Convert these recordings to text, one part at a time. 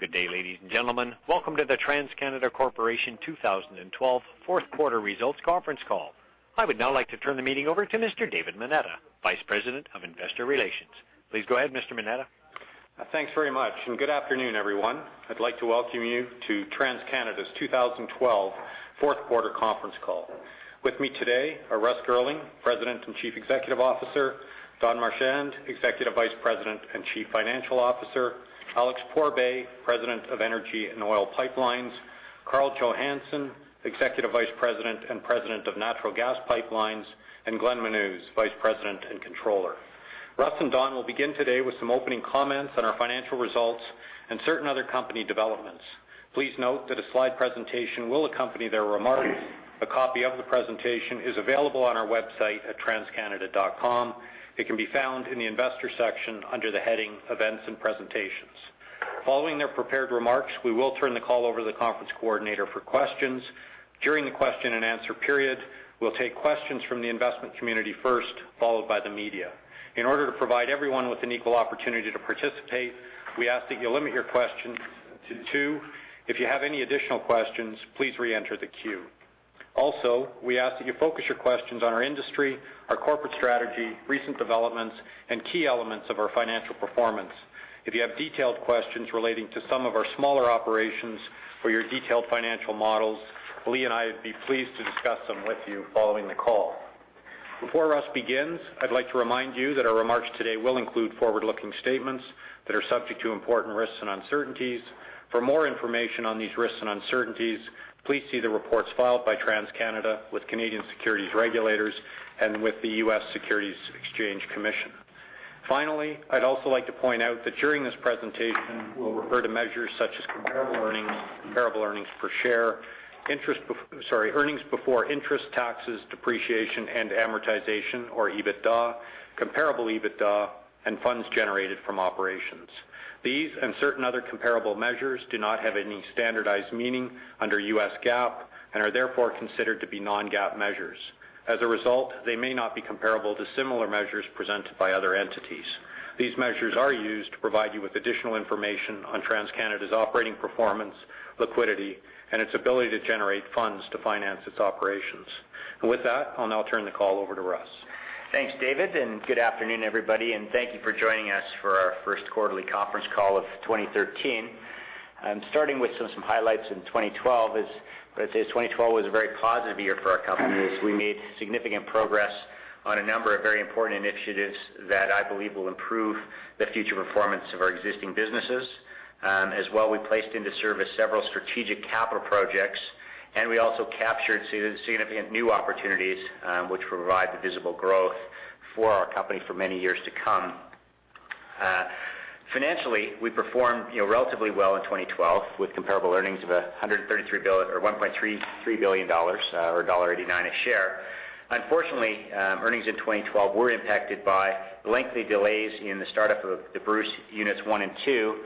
Good day, ladies and gentlemen. Welcome to the TransCanada Corporation 2012 fourth quarter results conference call. I would now like to turn the meeting over to Mr. David Moneta, Vice President of Investor Relations. Please go ahead, Mr. Moneta. Thanks very much, and good afternoon, everyone. I'd like to welcome you to TransCanada's 2012 fourth quarter conference call. With me today are Russ Girling, President and Chief Executive Officer, Don Marchand, Executive Vice President and Chief Financial Officer, Alex Pourbaix, President of Energy and Oil Pipelines, Karl Johannson, Executive Vice President and President of Natural Gas Pipelines, and Glenn Menuz, Vice President and Controller. Russ and Don will begin today with some opening comments on our financial results and certain other company developments. Please note that a slide presentation will accompany their remarks. A copy of the presentation is available on our website at transcanada.com. It can be found in the investor section under the heading Events and Presentations. Following their prepared remarks, we will turn the call over to the conference coordinator for questions. During the question and answer period, we'll take questions from the investment community first, followed by the media. In order to provide everyone with an equal opportunity to participate, we ask that you limit your questions to two. If you have any additional questions, please re-enter the queue. Also, we ask that you focus your questions on our industry, our corporate strategy, recent developments, and key elements of our financial performance. If you have detailed questions relating to some of our smaller operations or your detailed financial models, Lee and I would be pleased to discuss them with you following the call. Before Russ begins, I'd like to remind you that our remarks today will include forward-looking statements that are subject to important risks and uncertainties. For more information on these risks and uncertainties, please see the reports filed by TransCanada with Canadian securities regulators and with the U.S. Securities and Exchange Commission. Finally, I'd also like to point out that during this presentation, we'll refer to measures such as comparable earnings, comparable earnings per share, earnings before interest, taxes, depreciation, and amortization or EBITDA, comparable EBITDA, and funds generated from operations. These and certain other comparable measures do not have any standardized meaning under U.S. GAAP and are therefore considered to be non-GAAP measures. As a result, they may not be comparable to similar measures presented by other entities. These measures are used to provide you with additional information on TransCanada's operating performance, liquidity, and its ability to generate funds to finance its operations. With that, I'll now turn the call over to Russ. Thanks, David, and good afternoon, everybody, and thank you for joining us for our first quarterly conference call of 2013. I'm starting with some highlights in 2012. As I say, 2012 was a very positive year for our company, as we made significant progress on a number of very important initiatives that I believe will improve the future performance of our existing businesses. As well, we placed into service several strategic capital projects, and we also captured significant new opportunities, which derived the visible growth for our company for many years to come. Financially, we performed relatively well in 2012 with comparable earnings of 1.33 billion dollars or dollar 1.89 a share. Unfortunately, earnings in 2012 were impacted by lengthy delays in the startup of the Bruce Units one and two,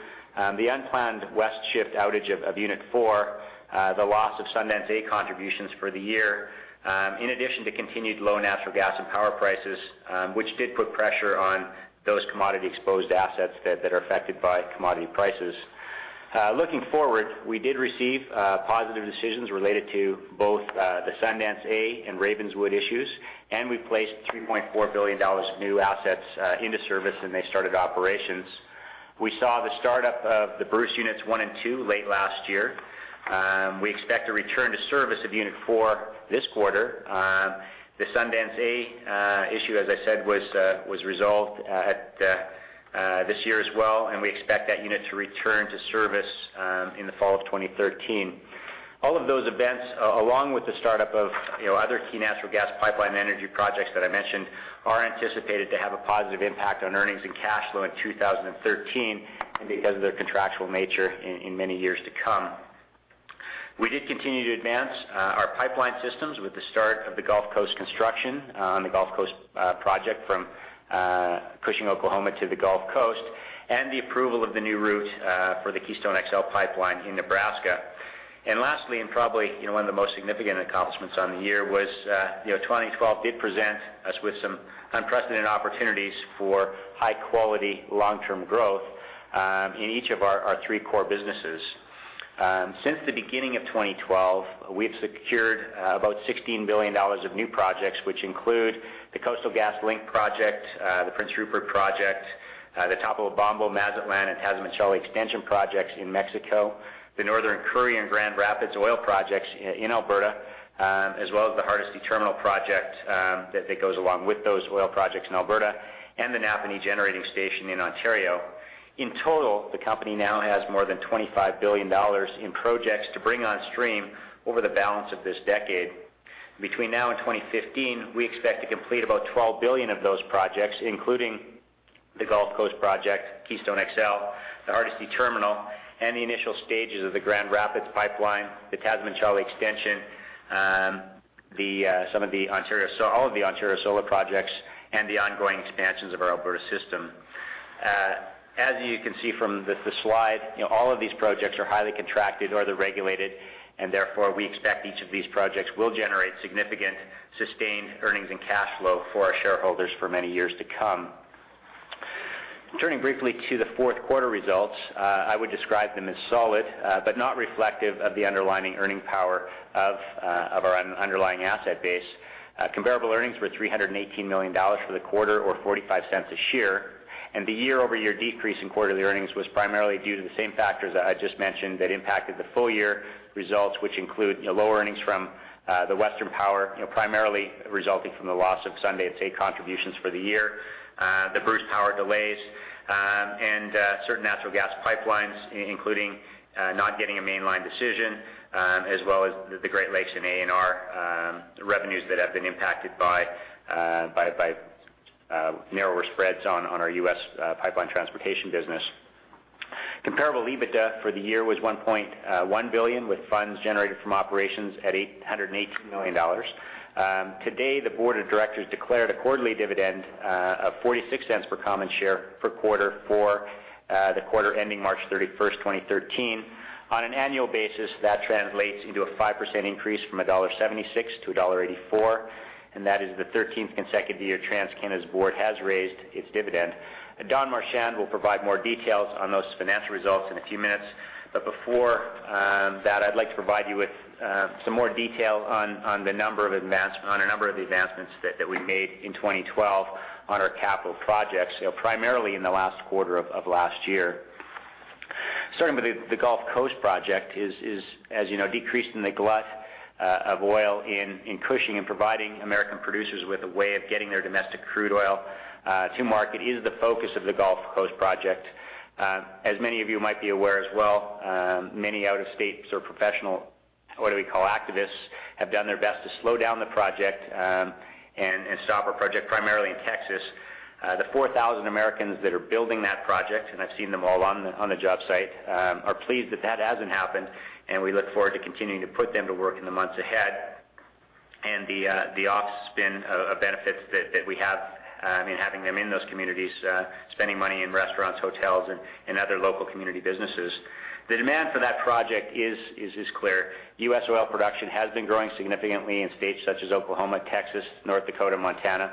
the unplanned West Shift outage of Unit four, the loss of Sundance A contributions for the year, in addition to continued low natural gas and power prices, which did put pressure on those commodity-exposed assets that are affected by commodity prices. Looking forward, we did receive positive decisions related to both the Sundance A and Ravenswood issues, and we placed 3.4 billion dollars of new assets into service, and they started operations. We saw the startup of the Bruce Units one and two late last year. We expect a return to service of Unit four this quarter. The Sundance A issue, as I said, was resolved this year as well, and we expect that unit to return to service in the fall of 2013. All of those events, along with the startup of other key natural gas pipeline energy projects that I mentioned, are anticipated to have a positive impact on earnings and cash flow in 2013, and because of their contractual nature, in many years to come. We did continue to advance our pipeline systems with the start of the Gulf Coast construction on the Gulf Coast Project from Cushing, Oklahoma to the Gulf Coast and the approval of the new route for the Keystone XL Pipeline in Nebraska. Lastly, and probably one of the most significant accomplishments of the year was 2012 did present us with some unprecedented opportunities for high-quality, long-term growth in each of our three core businesses. Since the beginning of 2012, we've secured about 16 billion dollars of new projects, which include the Coastal GasLink project, the Prince Rupert Project, the Topolobampo, Mazatlán, and Tamazunchale Extension projects in Mexico, the Northern Courier and Grand Rapids oil projects in Alberta, as well as the Hardisty Terminal project that goes along with those oil projects in Alberta, and the Napanee Generating Station in Ontario. In total, the company now has more than 25 billion dollars in projects to bring on stream over the balance of this decade. Between now and 2015, we expect to complete about 12 billion of those projects, including the Gulf Coast Project, Keystone XL, the Hardisty Terminal, and the initial stages of the Grand Rapids Pipeline, the Tamazunchale Extension, all of the Ontario solar projects, and the ongoing expansions of our Alberta system. As you can see from the slide, all of these projects are highly contracted or they're regulated, and therefore, we expect each of these projects will generate significant sustained earnings and cash flow for our shareholders for many years to come. Turning briefly to the fourth quarter results. I would describe them as solid, but not reflective of the underlying earning power of our underlying asset base. Comparable earnings were 318 million dollars for the quarter, or 0.45 a share. The year-over-year decrease in quarterly earnings was primarily due to the same factors that I just mentioned that impacted the full-year results, which include lower earnings from Western Power, primarily resulting from the loss of Sundance A stake contributions for the year, the Bruce Power delays and certain natural gas pipelines, including not getting a mainline decision, as well as the Great Lakes and ANR revenues that have been impacted by narrower spreads on our U.S. pipeline transportation business. Comparable EBITDA for the year was 1.1 billion, with funds generated from operations at 118 million dollars. Today, the board of directors declared a quarterly dividend of 0.46 per common share per quarter for the quarter ending March 31st, 2013. On an annual basis, that translates into a 5% increase from 1.76-1.84 dollar, and that is the 13th consecutive year TransCanada's board has raised its dividend. Don Marchand will provide more details on those financial results in a few minutes, but before that, I'd like to provide you with some more detail on a number of the advancements that we made in 2012 on our capital projects, primarily in the last quarter of last year. Starting with the Gulf Coast Project, as you know, decreasing the glut of oil in Cushing and providing American producers with a way of getting their domestic crude oil to market is the focus of the Gulf Coast Project. Many of you might be aware as well, many out-of-state professional, what do we call, activists, have done their best to slow down the project and stop our project, primarily in Texas. The 4,000 Americans that are building that project, and I've seen them all on the job site, are pleased that that hasn't happened, and we look forward to continuing to put them to work in the months ahead, the spin-off of benefits that we have in having them in those communities, spending money in restaurants, hotels, and other local community businesses. The demand for that project is clear. U.S. oil production has been growing significantly in states such as Oklahoma, Texas, North Dakota, Montana.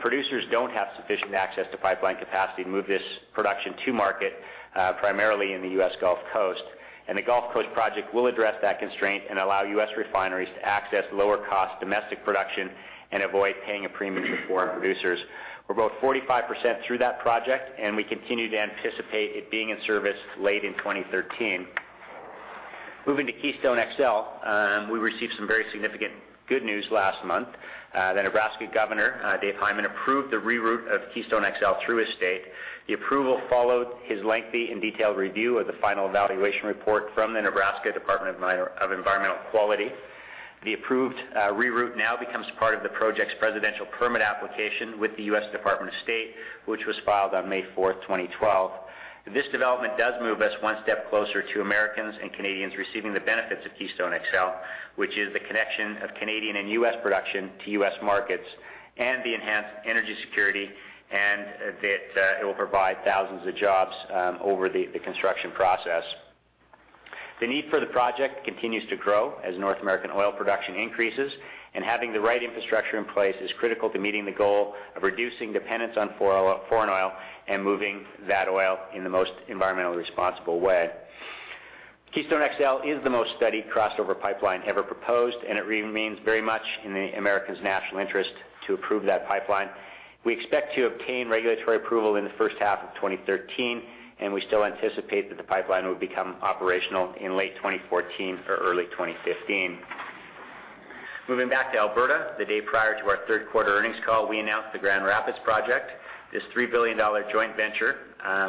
Producers don't have sufficient access to pipeline capacity to move this production to market, primarily in the U.S. Gulf Coast. The Gulf Coast Project will address that constraint and allow U.S. refineries to access lower-cost domestic production and avoid paying a premium to foreign producers. We're about 45% through that project, and we continue to anticipate it being in service late in 2013. Moving to Keystone XL, we received some very significant good news last month. The Nebraska Governor, Dave Heineman, approved the re-route of Keystone XL through his state. The approval followed his lengthy and detailed review of the final evaluation report from the Nebraska Department of Environmental Quality. The approved re-route now becomes part of the project's presidential permit application with the U.S. Department of State, which was filed on May 4th, 2012. This development does move us one step closer to Americans and Canadians receiving the benefits of Keystone XL, which is the connection of Canadian and U.S. production to U.S. markets and the enhanced energy security, and that it will provide thousands of jobs over the construction process. The need for the project continues to grow as North American oil production increases, and having the right infrastructure in place is critical to meeting the goal of reducing dependence on foreign oil and moving that oil in the most environmentally responsible way. Keystone XL is the most studied crossover pipeline ever proposed, and it remains very much in the Americans' national interest to approve that pipeline. We expect to obtain regulatory approval in the first half of 2013, and we still anticipate that the pipeline will become operational in late 2014 or early 2015. Moving back to Alberta, the day prior to our third-quarter earnings call, we announced the Grand Rapids project. This 3 billion dollar joint venture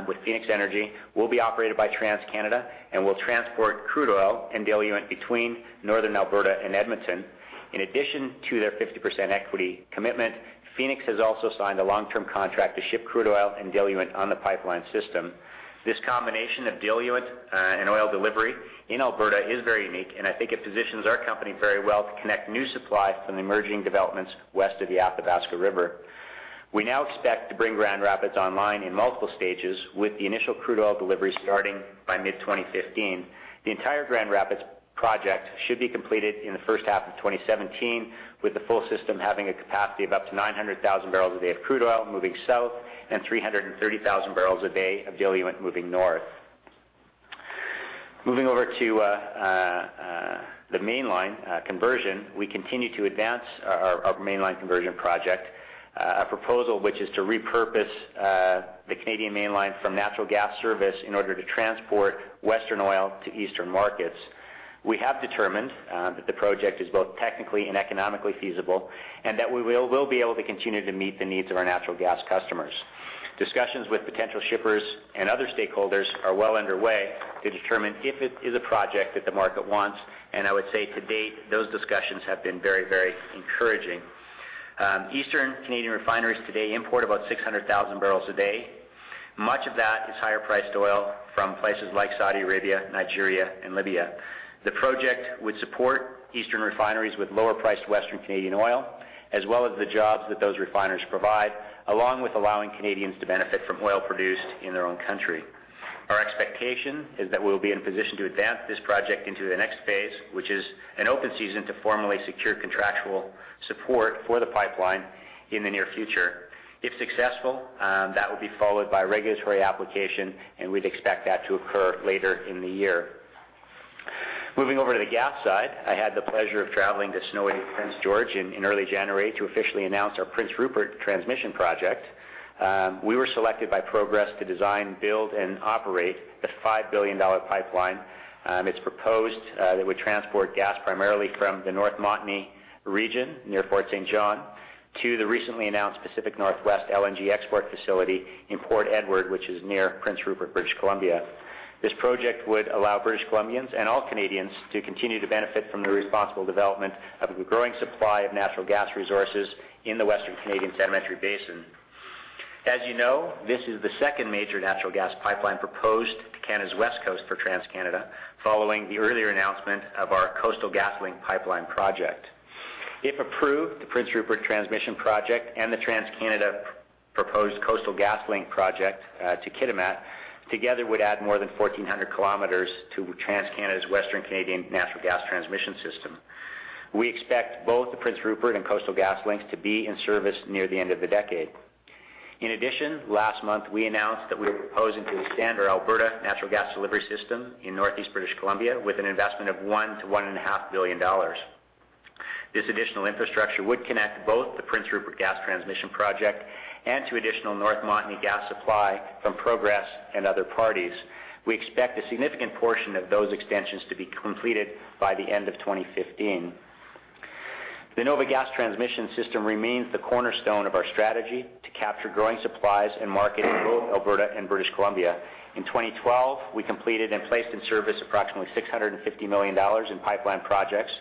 with Phoenix Energy will be operated by TransCanada and will transport crude oil and diluent between Northern Alberta and Edmonton. In addition to their 50% equity commitment, Phoenix has also signed a long-term contract to ship crude oil and diluent on the pipeline system. This combination of diluent and oil delivery in Alberta is very unique, and I think it positions our company very well to connect new supply from the emerging developments west of the Athabasca River. We now expect to bring Grand Rapids online in multiple stages, with the initial crude oil delivery starting by mid-2015. The entire Grand Rapids project should be completed in the first half of 2017, with the full system having a capacity of up to 900,000 barrels a day of crude oil moving south and 330,000 barrels a day of diluent moving north. Moving over to the mainline conversion, we continue to advance our mainline conversion project, a proposal which is to repurpose the Canadian Mainline from natural gas service in order to transport Western oil to Eastern markets. We have determined that the project is both technically and economically feasible, and that we will be able to continue to meet the needs of our natural gas customers. Discussions with potential shippers and other stakeholders are well underway to determine if it is a project that the market wants. I would say to date, those discussions have been very encouraging. Eastern Canadian refineries today import about 600,000 barrels a day. Much of that is higher-priced oil from places like Saudi Arabia, Nigeria, and Libya. The project would support eastern refineries with lower-priced Western Canadian oil. As well as the jobs that those refiners provide, along with allowing Canadians to benefit from oil produced in their own country. Our expectation is that we'll be in position to advance this project into the next phase, which is an open season to formally secure contractual support for the pipeline in the near future. If successful, that will be followed by regulatory application, and we'd expect that to occur later in the year. Moving over to the gas side, I had the pleasure of traveling to snowy Prince George in early January to officially announce our Prince Rupert Transmission project. We were selected by Progress to design, build, and operate the 5 billion dollar pipeline. It's proposed that it would transport gas primarily from the North Montney region near Fort Saint John to the recently announced Pacific NorthWest LNG export facility in Port Edward, which is near Prince Rupert, British Columbia. This project would allow British Columbians and all Canadians to continue to benefit from the responsible development of a growing supply of natural gas resources in the Western Canadian Sedimentary Basin. As you know, this is the second major natural gas pipeline proposed to Canada's west coast for TransCanada, following the earlier announcement of our Coastal GasLink pipeline project. If approved, the Prince Rupert transmission project and the TransCanada proposed Coastal GasLink project to Kitimat together would add more than 1,400 km to TransCanada's Western Canadian natural gas transmission system. We expect both the Prince Rupert and Coastal GasLink to be in service near the end of the decade. In addition, last month, we announced that we were proposing to extend our Alberta natural gas delivery system in northeast British Columbia with an investment of 1 billion-1.5 billion dollars. This additional infrastructure would connect both the Prince Rupert Gas Transmission project and to additional North Montney gas supply from Progress and other parties. We expect a significant portion of those extensions to be completed by the end of 2015. The NOVA Gas Transmission system remains the cornerstone of our strategy to capture growing supplies and market in both Alberta and British Columbia. In 2012, we completed and placed in service approximately 650 million dollars in pipeline projects.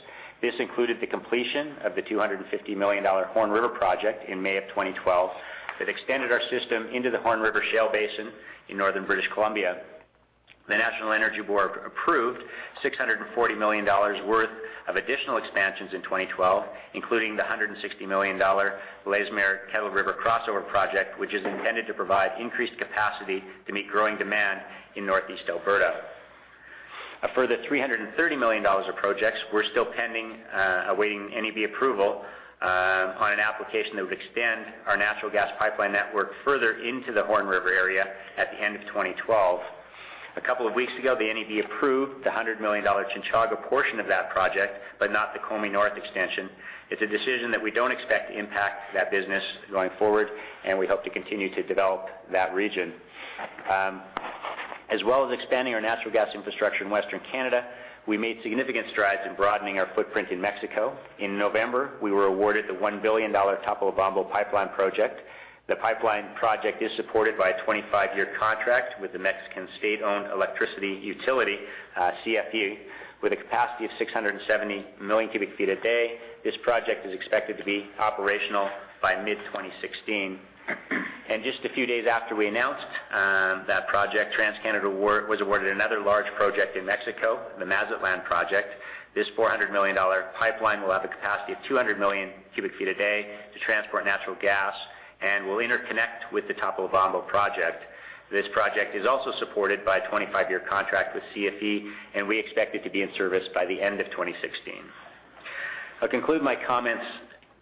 This included the completion of the 250 million dollar Horn River project in May of 2012, that extended our system into the Horn River Shale Basin in northern British Columbia. The National Energy Board approved 640 million dollars worth of additional expansions in 2012, including the 160 million dollar Leismer-Kettle River Crossover project, which is intended to provide increased capacity to meet growing demand in Northeast Alberta. A further 330 million dollars of projects were still pending, awaiting NEB approval on an application that would extend our natural gas pipeline network further into the Horn River area at the end of 2012. A couple of weeks ago, the NEB approved the 100 million dollar Chinchaga portion of that project, but not the Komie North Extension. It's a decision that we don't expect to impact that business going forward, and we hope to continue to develop that region. As well as expanding our natural gas infrastructure in Western Canada, we made significant strides in broadening our footprint in Mexico. In November, we were awarded the 1 billion dollar Topolobampo pipeline project. The pipeline project is supported by a 25-year contract with the Mexican state-owned electricity utility, CFE, with a capacity of 670 million cu ft a day. This project is expected to be operational by mid-2016. Just a few days after we announced that project, TransCanada was awarded another large project in Mexico, the Mazatlán project. This $400 million pipeline will have a capacity of 200 million cu ft a day to transport natural gas and will interconnect with the Topolobampo project. This project is also supported by a 25-year contract with CFE, and we expect it to be in service by the end of 2016. I'll conclude my comments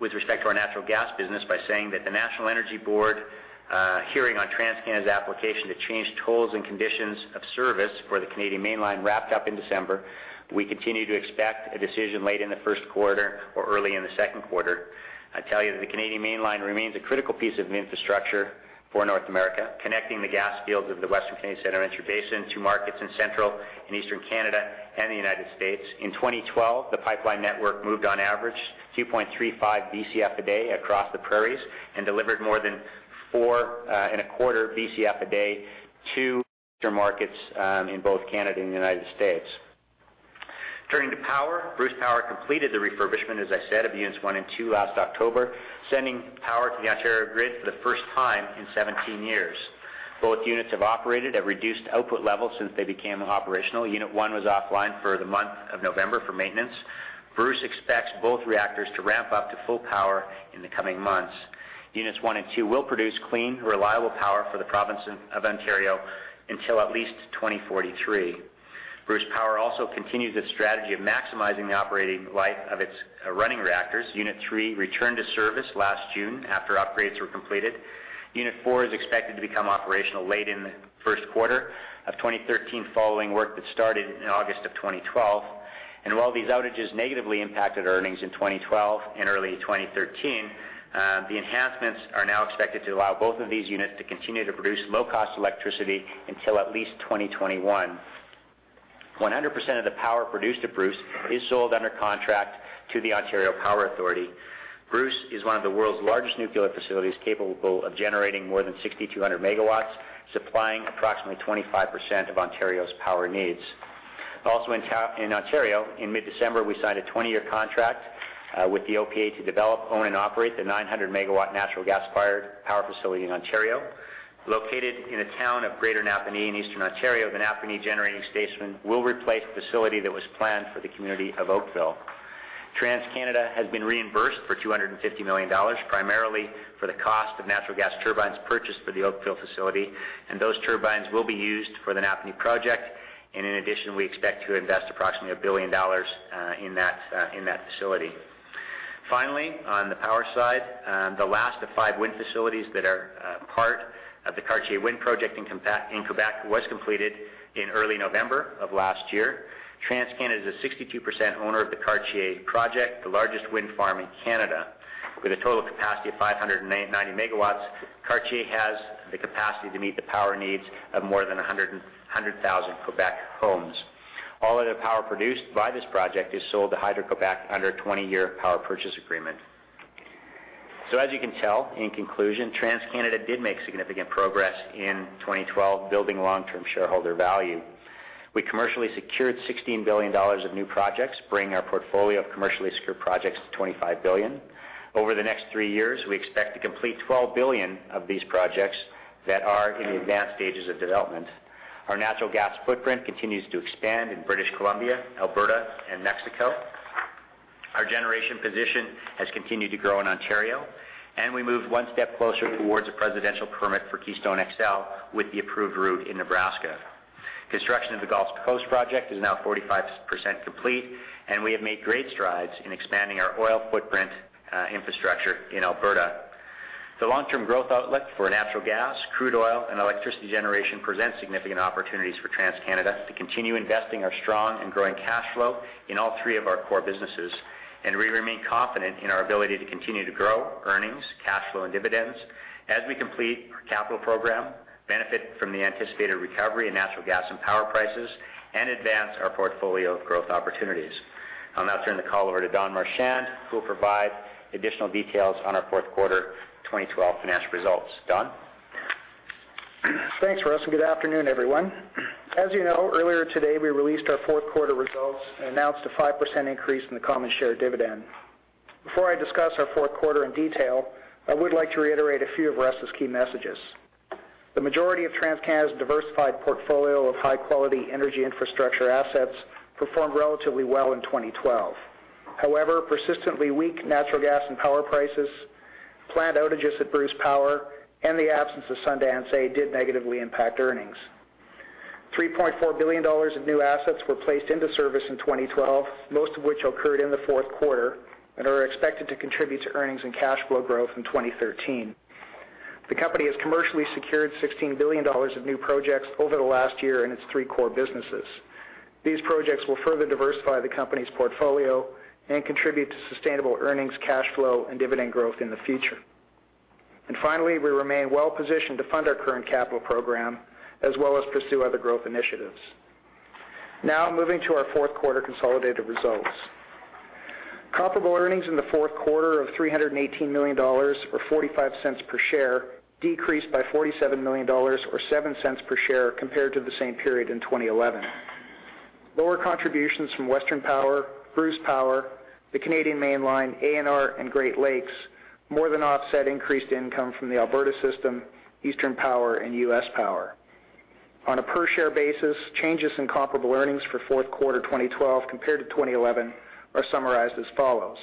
with respect to our natural gas business by saying that the National Energy Board hearing on TransCanada's application to change tolls and conditions of service for the Canadian Mainline wrapped up in December. We continue to expect a decision late in the first quarter or early in the second quarter. I tell you that the Canadian Mainline remains a critical piece of infrastructure for North America, connecting the gas fields of the Western Canadian Sedimentary Basin to markets in Central and Eastern Canada and the United States. In 2012, the pipeline network moved on average 2.35 Bcf a day across the prairies and delivered more than 4.25 Bcf a day to markets in both Canada and the United States. Turning to power, Bruce Power completed the refurbishment, as I said, of Units one and two last October, sending power to the Ontario grid for the first time in 17 years. Both units have operated at reduced output levels since they became operational. Unit one was offline for the month of November for maintenance. Bruce Power expects both reactors to ramp up to full power in the coming months. Units one and two will produce clean, reliable power for the province of Ontario until at least 2043. Bruce Power also continues its strategy of maximizing the operating life of its running reactors. Unit three returned to service last June after upgrades were completed. Unit four is expected to become operational late in the first quarter of 2013, following work that started in August of 2012. While these outages negatively impacted earnings in 2012 and early 2013, the enhancements are now expected to allow both of these units to continue to produce low-cost electricity until at least 2021. 100% of the power produced at Bruce Power is sold under contract to the Ontario Power Authority. Bruce is one of the world's largest nuclear facilities, capable of generating more than 6,200 megawatts, supplying approximately 25% of Ontario's power needs. In Ontario, in mid-December, we signed a 20-year contract with the Ontario Power Authority to develop, own, and operate the 900-megawatt natural gas-fired power facility in Ontario. Located in a town of Greater Napanee in Eastern Ontario, the Napanee Generating Station will replace the facility that was planned for the community of Oakville. TransCanada has been reimbursed for 250 million dollars, primarily for the cost of natural gas turbines purchased for the Oakville facility, and those turbines will be used for the Napanee project. In addition, we expect to invest approximately 1 billion dollars in that facility. Finally, on the power side, the last of five wind facilities that are part of the Cartier Wind project in Québec was completed in early November of last year. TransCanada is a 62% owner of the Cartier project, the largest wind farm in Canada. With a total capacity of 590 MW, Cartier has the capacity to meet the power needs of more than 100,000 Québec homes. All of the power produced by this project is sold to Hydro-Québec under a 20-year power purchase agreement. As you can tell, in conclusion, TransCanada did make significant progress in 2012 building long-term shareholder value. We commercially secured 16 billion dollars of new projects, bringing our portfolio of commercially secured projects to 25 billion. Over the next three years, we expect to complete 12 billion of these projects that are in the advanced stages of development. Our natural gas footprint continues to expand in British Columbia, Alberta, and Mexico. Our generation position has continued to grow in Ontario, and we moved one step closer towards a presidential permit for Keystone XL with the approved route in Nebraska. Construction of the Gulf Coast project is now 45% complete, and we have made great strides in expanding our oil footprint infrastructure in Alberta. The long-term growth outlook for natural gas, crude oil, and electricity generation presents significant opportunities for TransCanada to continue investing our strong and growing cash flow in all three of our core businesses. We remain confident in our ability to continue to grow earnings, cash flow, and dividends as we complete our capital program, benefit from the anticipated recovery in natural gas and power prices, and advance our portfolio of growth opportunities. I'll now turn the call over to Don Marchand, who will provide additional details on our fourth quarter 2012 financial results. Don? Thanks, Russ, and good afternoon, everyone. As you know, earlier today, we released our fourth quarter results and announced a 5% increase in the common share dividend. Before I discuss our fourth quarter in detail, I would like to reiterate a few of Russ's key messages. The majority of TransCanada's diversified portfolio of high-quality energy infrastructure assets performed relatively well in 2012. However, persistently weak natural gas and power prices, planned outages at Bruce Power, and the absence of Sundance A did negatively impact earnings. 3.4 billion dollars of new assets were placed into service in 2012, most of which occurred in the fourth quarter and are expected to contribute to earnings and cash flow growth in 2013. The company has commercially secured 16 billion dollars of new projects over the last year in its three core businesses. These projects will further diversify the company's portfolio and contribute to sustainable earnings, cash flow, and dividend growth in the future. Finally, we remain well-positioned to fund our current capital program, as well as pursue other growth initiatives. Now, moving to our fourth quarter consolidated results. Comparable earnings in the fourth quarter of 318 million dollars, or 0.45 per share, decreased by 47 million dollars or 0.07 per share compared to the same period in 2011. Lower contributions from Western Power, Bruce Power, the Canadian Mainline, ANR, and Great Lakes more than offset increased income from the Alberta system, Eastern Power, and US Power. On a per-share basis, changes in comparable earnings for fourth quarter 2012 compared to 2011 are summarized as follows.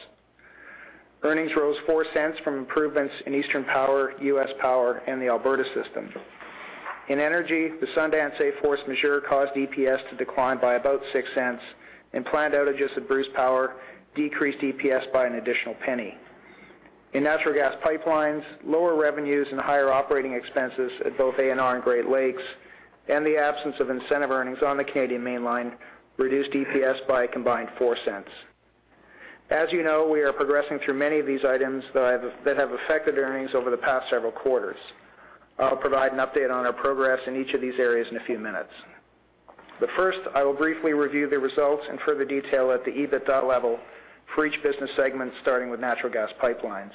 Earnings rose 0.04 from improvements in Eastern Power, US Power, and the Alberta system. In energy, the Sundance A force majeure caused EPS to decline by about 0.06, and planned outages at Bruce Power decreased EPS by an additional CAD 0.01. In natural gas pipelines, lower revenues and higher operating expenses at both ANR and Great Lakes, and the absence of incentive earnings on the Canadian Mainline reduced EPS by a combined 0.04. As you know, we are progressing through many of these items that have affected earnings over the past several quarters. I'll provide an update on our progress in each of these areas in a few minutes. First, I will briefly review the results in further detail at the EBITDA level for each business segment, starting with Natural Gas Pipelines.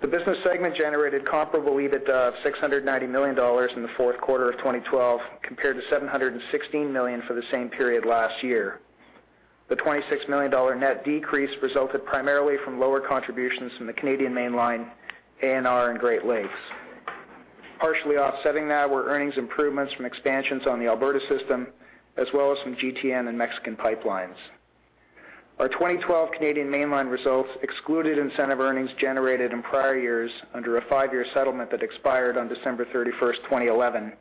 The business segment generated comparable EBITDA of 690 million dollars in the fourth quarter of 2012, compared to 716 million for the same period last year. The 26 million dollar net decrease resulted primarily from lower contributions from the Canadian Mainline, ANR, and Great Lakes. Partially offsetting that were earnings improvements from expansions on the Alberta system, as well as from GTN and Mexican pipelines. Our 2012 Canadian Mainline results excluded incentive earnings generated in prior years under a five-year settlement that expired on December 31st, 2011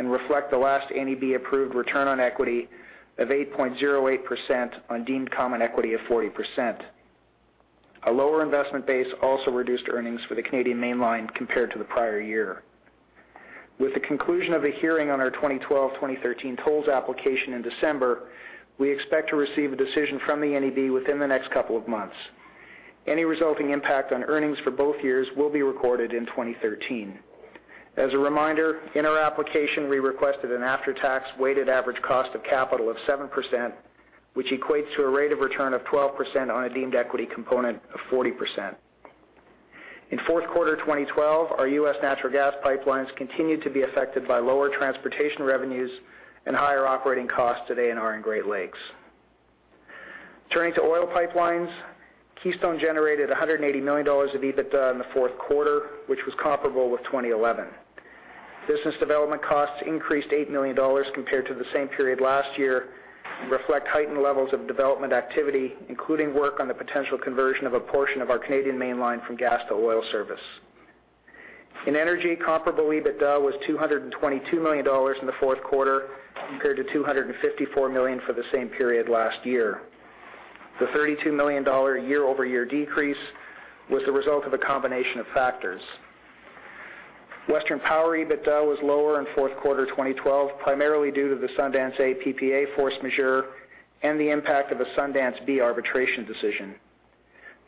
and reflect the last NEB-approved return on equity of 8.08% on deemed common equity of 40%. A lower investment base also reduced earnings for the Canadian Mainline compared to the prior year. With the conclusion of a hearing on our 2012-2013 tolls application in December, we expect to receive a decision from the NEB within the next couple of months. Any resulting impact on earnings for both years will be recorded in 2013. As a reminder, in our application, we requested an after-tax weighted average cost of capital of 7%, which equates to a rate of return of 12% on a deemed equity component of 40%. In fourth quarter 2012, our U.S. natural gas pipelines continued to be affected by lower transportation revenues and higher operating costs at ANR and Great Lakes. Turning to oil pipelines, Keystone generated 180 million dollars of EBITDA in the fourth quarter, which was comparable with 2011. Business development costs increased 8 million dollars compared to the same period last year and reflect heightened levels of development activity, including work on the potential conversion of a portion of our Canadian Mainline from gas to oil service. In energy, comparable EBITDA was 222 million dollars in the fourth quarter compared to 254 million for the same period last year. The 32 million dollar year-over-year decrease was the result of a combination of factors. Western Power EBITDA was lower in fourth quarter 2012, primarily due to the Sundance A PPA force majeure and the impact of a Sundance B arbitration decision.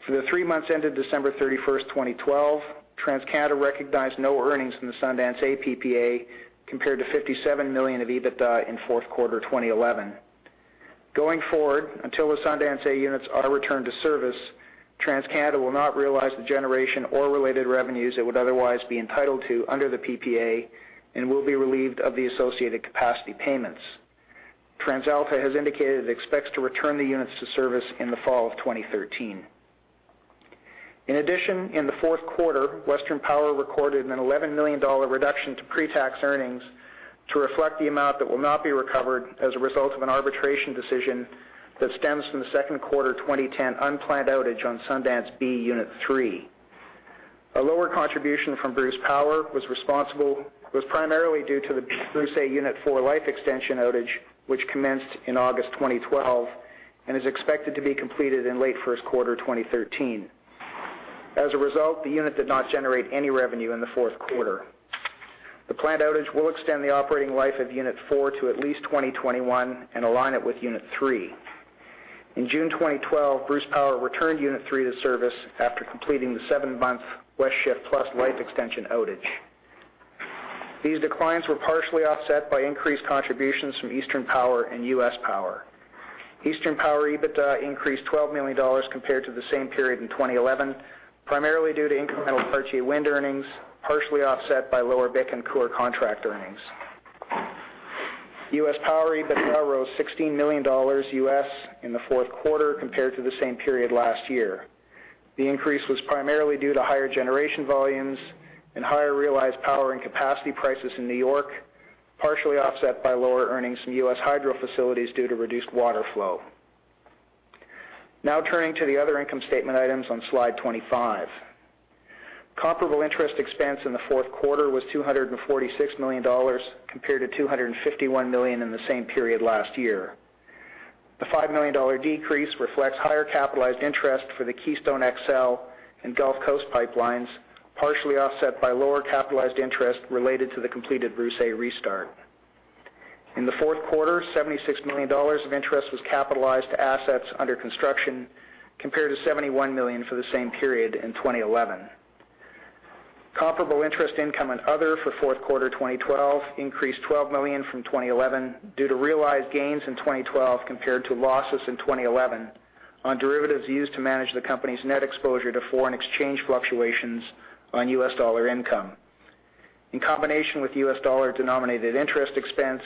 For the three months ended December 31st, 2012, TransCanada recognized no earnings from the Sundance A PPA compared to 57 million of EBITDA in fourth quarter 2011. Going forward, until the Sundance A units are returned to service, TransCanada will not realize the generation or related revenues it would otherwise be entitled to under the PPA and will be relieved of the associated capacity payments. TransAlta has indicated it expects to return the units to service in the fall of 2013. In addition, in the fourth quarter, Western Power recorded a 11 million dollar reduction to pre-tax earnings to reflect the amount that will not be recovered as a result of an arbitration decision that stems from the second quarter 2010 unplanned outage on Sundance B Unit three. A lower contribution from Bruce Power was primarily due to the Bruce A Unit four life extension outage, which commenced in August 2012 and is expected to be completed in late first quarter 2013. As a result, the unit did not generate any revenue in the fourth quarter. The planned outage will extend the operating life of Unit four to at least 2021 and align it with Unit three. In June 2012, Bruce Power returned Unit three to service after completing the seven-months West Shift Plus life extension outage. These declines were partially offset by increased contributions from Eastern Power and U.S. Power. Eastern Power EBITDA increased 12 million dollars compared to the same period in 2011, primarily due to incremental Cartier wind earnings, partially offset by lower Bécancour contract earnings. U.S. Power EBITDA rose $16 million in the fourth quarter compared to the same period last year. The increase was primarily due to higher generation volumes and higher realized power and capacity prices in New York, partially offset by lower earnings from U.S. hydro facilities due to reduced water flow. Now turning to the other income statement items on slide 25. Comparable interest expense in the fourth quarter was 246 million dollars, compared to 251 million in the same period last year. The 5 million dollar decrease reflects higher capitalized interest for the Keystone XL and Gulf Coast pipelines, partially offset by lower capitalized interest related to the completed Bruce A restart. In the fourth quarter, 76 million dollars of interest was capitalized to assets under construction, compared to 71 million for the same period in 2011. Comparable interest income and other for fourth quarter 2012 increased 12 million from 2011 due to realized gains in 2012 compared to losses in 2011 on derivatives used to manage the company's net exposure to foreign exchange fluctuations on U.S. dollar income. In combination with U.S. dollar-denominated interest expense,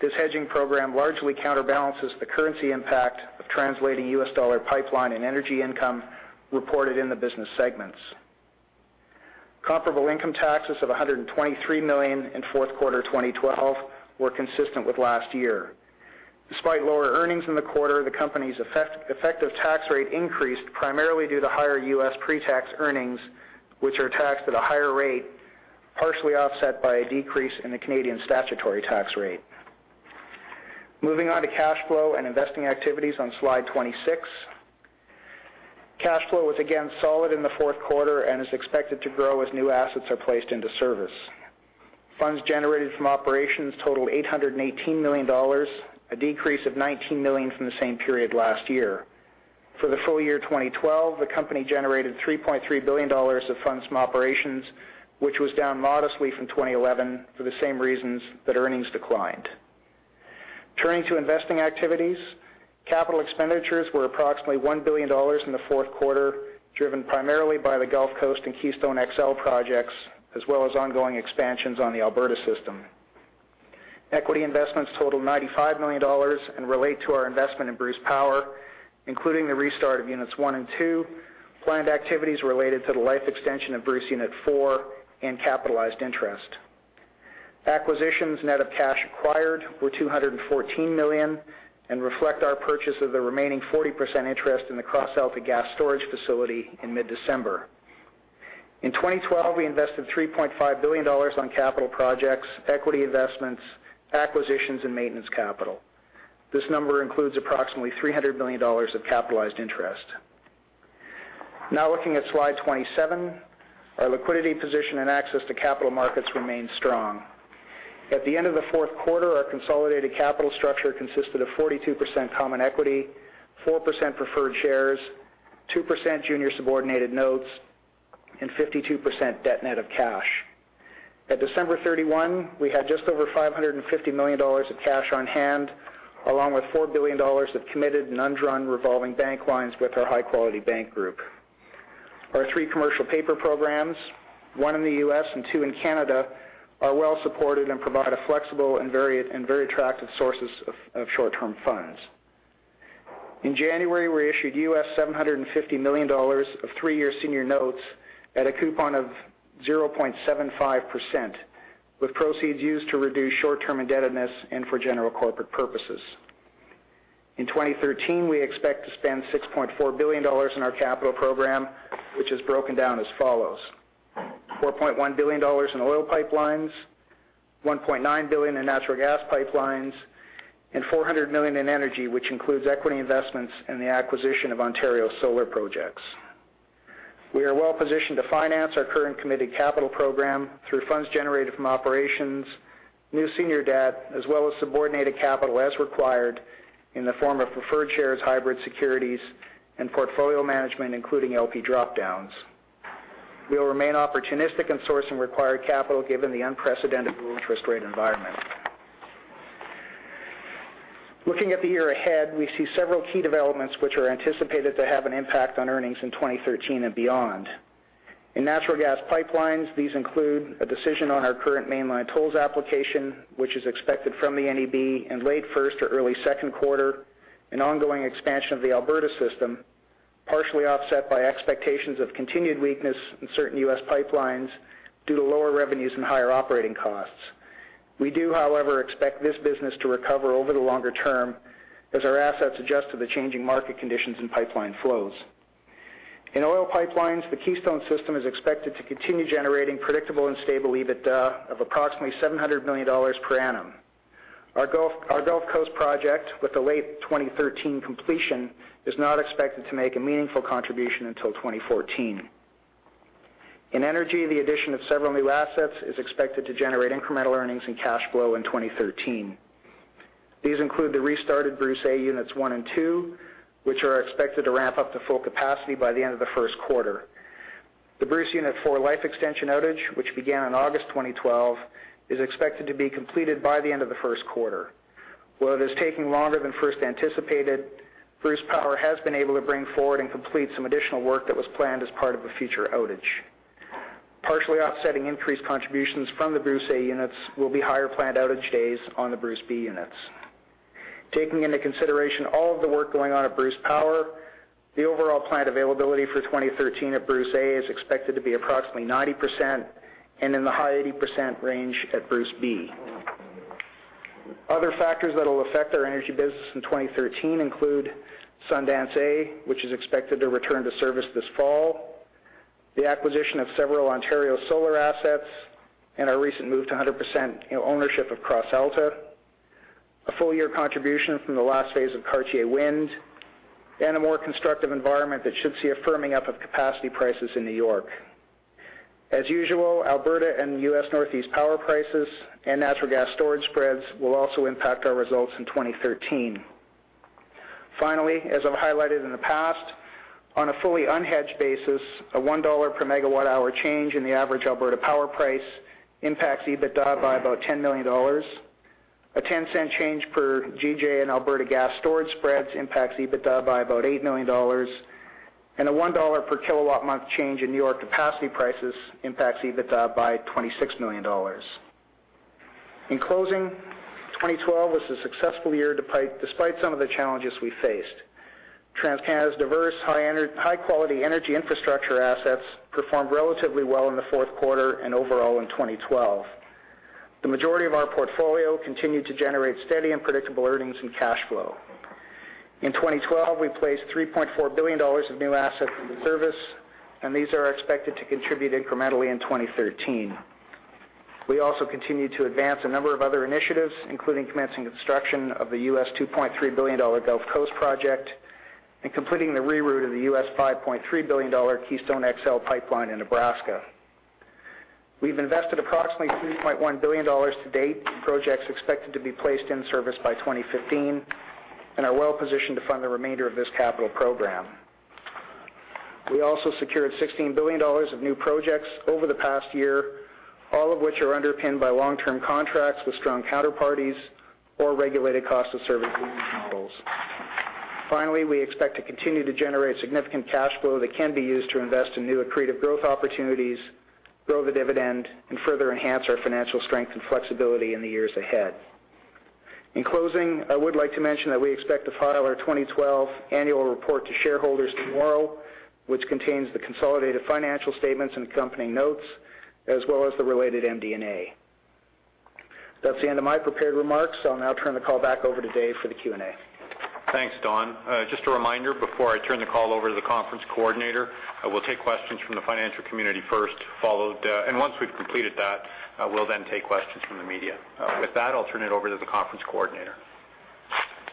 this hedging program largely counterbalances the currency impact of translating U.S. dollar pipeline and energy income reported in the business segments. Comparable income taxes of 123 million in fourth quarter 2012 were consistent with last year. Despite lower earnings in the quarter, the company's effective tax rate increased primarily due to higher U.S. pre-tax earnings, which are taxed at a higher rate, partially offset by a decrease in the Canadian statutory tax rate. Moving on to cash flow and investing activities on slide 26. Cash flow was again solid in the fourth quarter and is expected to grow as new assets are placed into service. Funds generated from operations totaled 818 million dollars, a decrease of 19 million from the same period last year. For the full year 2012, the company generated 3.3 billion dollars of funds from operations, which was down modestly from 2011 for the same reasons that earnings declined. Turning to investing activities, capital expenditures were approximately 1 billion dollars in the fourth quarter, driven primarily by the Gulf Coast and Keystone XL projects, as well as ongoing expansions on the Alberta system. Equity investments totaled 95 million dollars and relate to our investment in Bruce Power, including the restart of Units one and two, planned activities related to the life extension of Bruce Unit four, and capitalized interest. Acquisitions net of cash acquired were 214 million and reflect our purchase of the remaining 40% interest in the CrossAlta Gas Storage Facility in mid-December. In 2012, we invested 3.5 billion dollars on capital projects, equity investments, acquisitions, and maintenance capital. This number includes approximately 300 million dollars of capitalized interest. Now looking at slide 27. Our liquidity position and access to capital markets remain strong. At the end of the fourth quarter, our consolidated capital structure consisted of 42% common equity, 4% preferred shares, 2% junior subordinated notes, and 52% debt net of cash. At December 31, we had just over 550 million dollars of cash on hand, along with 4 billion dollars of committed and undrawn revolving bank lines with our high-quality bank group. Our three commercial paper programs, one in the U.S. and two in Canada, are well supported and provide a flexible and very attractive sources of short-term funds. In January, we issued $750 million of three-year senior notes at a coupon of 0.75%, with proceeds used to reduce short-term indebtedness and for general corporate purposes. In 2013, we expect to spend 6.4 billion dollars in our capital program, which is broken down as follows, 4.1 billion dollars in oil pipelines, 1.9 billion in natural gas pipelines, and 400 million in energy, which includes equity investments in the acquisition of Ontario Solar projects. We are well-positioned to finance our current committed capital program through funds generated from operations, new senior debt, as well as subordinated capital as required in the form of preferred shares, hybrid securities, and portfolio management, including LP drop-downs. We will remain opportunistic in sourcing required capital given the unprecedented low interest rate environment. Looking at the year ahead, we see several key developments which are anticipated to have an impact on earnings in 2013 and beyond. In natural gas pipelines, these include a decision on our current mainline tolls application, which is expected from the NEB in late first or early second quarter, and ongoing expansion of the Alberta system, partially offset by expectations of continued weakness in certain U.S. pipelines due to lower revenues and higher operating costs. We do, however, expect this business to recover over the longer term as our assets adjust to the changing market conditions and pipeline flows. In oil pipelines, the Keystone system is expected to continue generating predictable and stable EBITDA of approximately $700 million per annum. Our Gulf Coast project, with the late 2013 completion, is not expected to make a meaningful contribution until 2014. In energy, the addition of several new assets is expected to generate incremental earnings and cash flow in 2013. These include the restarted Bruce A units one and two, which are expected to ramp up to full capacity by the end of the first quarter. The Bruce unit four life extension outage, which began in August 2012, is expected to be completed by the end of the first quarter. While it is taking longer than first anticipated, Bruce Power has been able to bring forward and complete some additional work that was planned as part of a future outage. Partially offsetting increased contributions from the Bruce A units will be higher planned outage days on the Bruce B units. Taking into consideration all of the work going on at Bruce Power, the overall plant availability for 2013 at Bruce A is expected to be approximately 90% and in the high 80% range at Bruce B. Other factors that will affect our energy business in 2013 include Sundance A, which is expected to return to service this fall, the acquisition of several Ontario solar assets and our recent move to 100% ownership of CrossAlta, a full-year contribution from the last phase of Cartier Wind, and a more constructive environment that should see a firming up of capacity prices in New York. As usual, Alberta and U.S. Northeast power prices and natural gas storage spreads will also impact our results in 2013. Finally, as I've highlighted in the past, on a fully unhedged basis, a 1 dollar per megawatt-hour change in the average Alberta power price impacts EBITDA by about 10 million dollars. A 10-cent change per GJ in Alberta gas storage spreads impacts EBITDA by about 8 million dollars. A 1 dollar per kilowatt-month change in New York capacity prices impacts EBITDA by 26 million dollars. In closing, 2012 was a successful year despite some of the challenges we faced. TransCanada's diverse, high-quality energy infrastructure assets performed relatively well in the fourth quarter and overall in 2012. The majority of our portfolio continued to generate steady and predictable earnings and cash flow. In 2012, we placed 3.4 billion dollars of new assets into service, and these are expected to contribute incrementally in 2013. We also continued to advance a number of other initiatives, including commencing construction of the $2.3 billion Gulf Coast project and completing the reroute of the $5.3 billion Keystone XL pipeline in Nebraska. We've invested approximately 3.1 billion dollars to date in projects expected to be placed in service by 2015 and are well-positioned to fund the remainder of this capital program. We also secured 16 billion dollars of new projects over the past year, all of which are underpinned by long-term contracts with strong counterparties or regulated cost of service models. Finally, we expect to continue to generate significant cash flow that can be used to invest in new accretive growth opportunities, grow the dividend, and further enhance our financial strength and flexibility in the years ahead. In closing, I would like to mention that we expect to file our 2012 annual report to shareholders tomorrow, which contains the consolidated financial statements and accompanying notes, as well as the related MD&A. That's the end of my prepared remarks. I'll now turn the call back over to Dave for the Q&A. Thanks, Don. Just a reminder, before I turn the call over to the conference coordinator, we'll take questions from the financial community first, followed, and once we've completed that, we'll then take questions from the media. With that, I'll turn it over to the conference coordinator.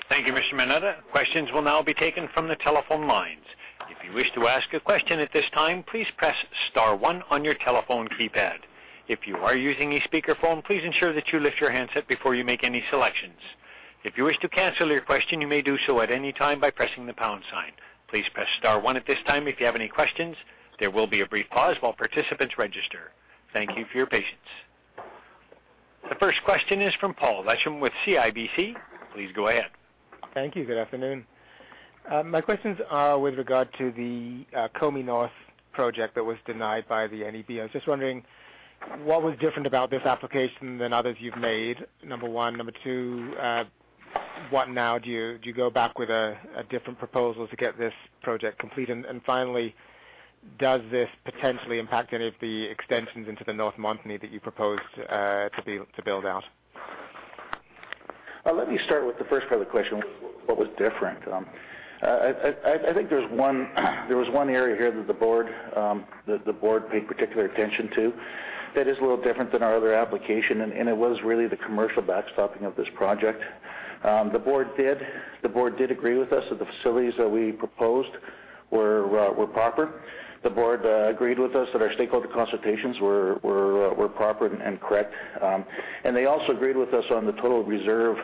Thank you, Mr. Moneta. Questions will now be taken from the telephone lines. If you wish to ask a question at this time, please press star one on your telephone keypad. If you are using a speakerphone, please ensure that you lift your handset before you make any selections. If you wish to cancel your question, you may do so at any time by pressing the pound sign. Please press star one at this time if you have any questions. There will be a brief pause while participants register. Thank you for your patience. The first question is from Paul Lechem with CIBC. Please go ahead. Thank you. Good afternoon. My questions are with regard to the Komie North project that was denied by the NEB. I was just wondering what was different about this application than others you've made, number one. Number two, what now? Do you go back with a different proposal to get this project complete? Finally, does this potentially impact any of the extensions into the North Montney that you proposed to build out? Let me start with the first part of the question, what was different. I think there was one area here that the board paid particular attention to that is a little different than our other application, and it was really the commercial backstopping of this project. The board did agree with us that the facilities that we proposed were proper. The board agreed with us that our stakeholder consultations were proper and correct. They also agreed with us on the total reserve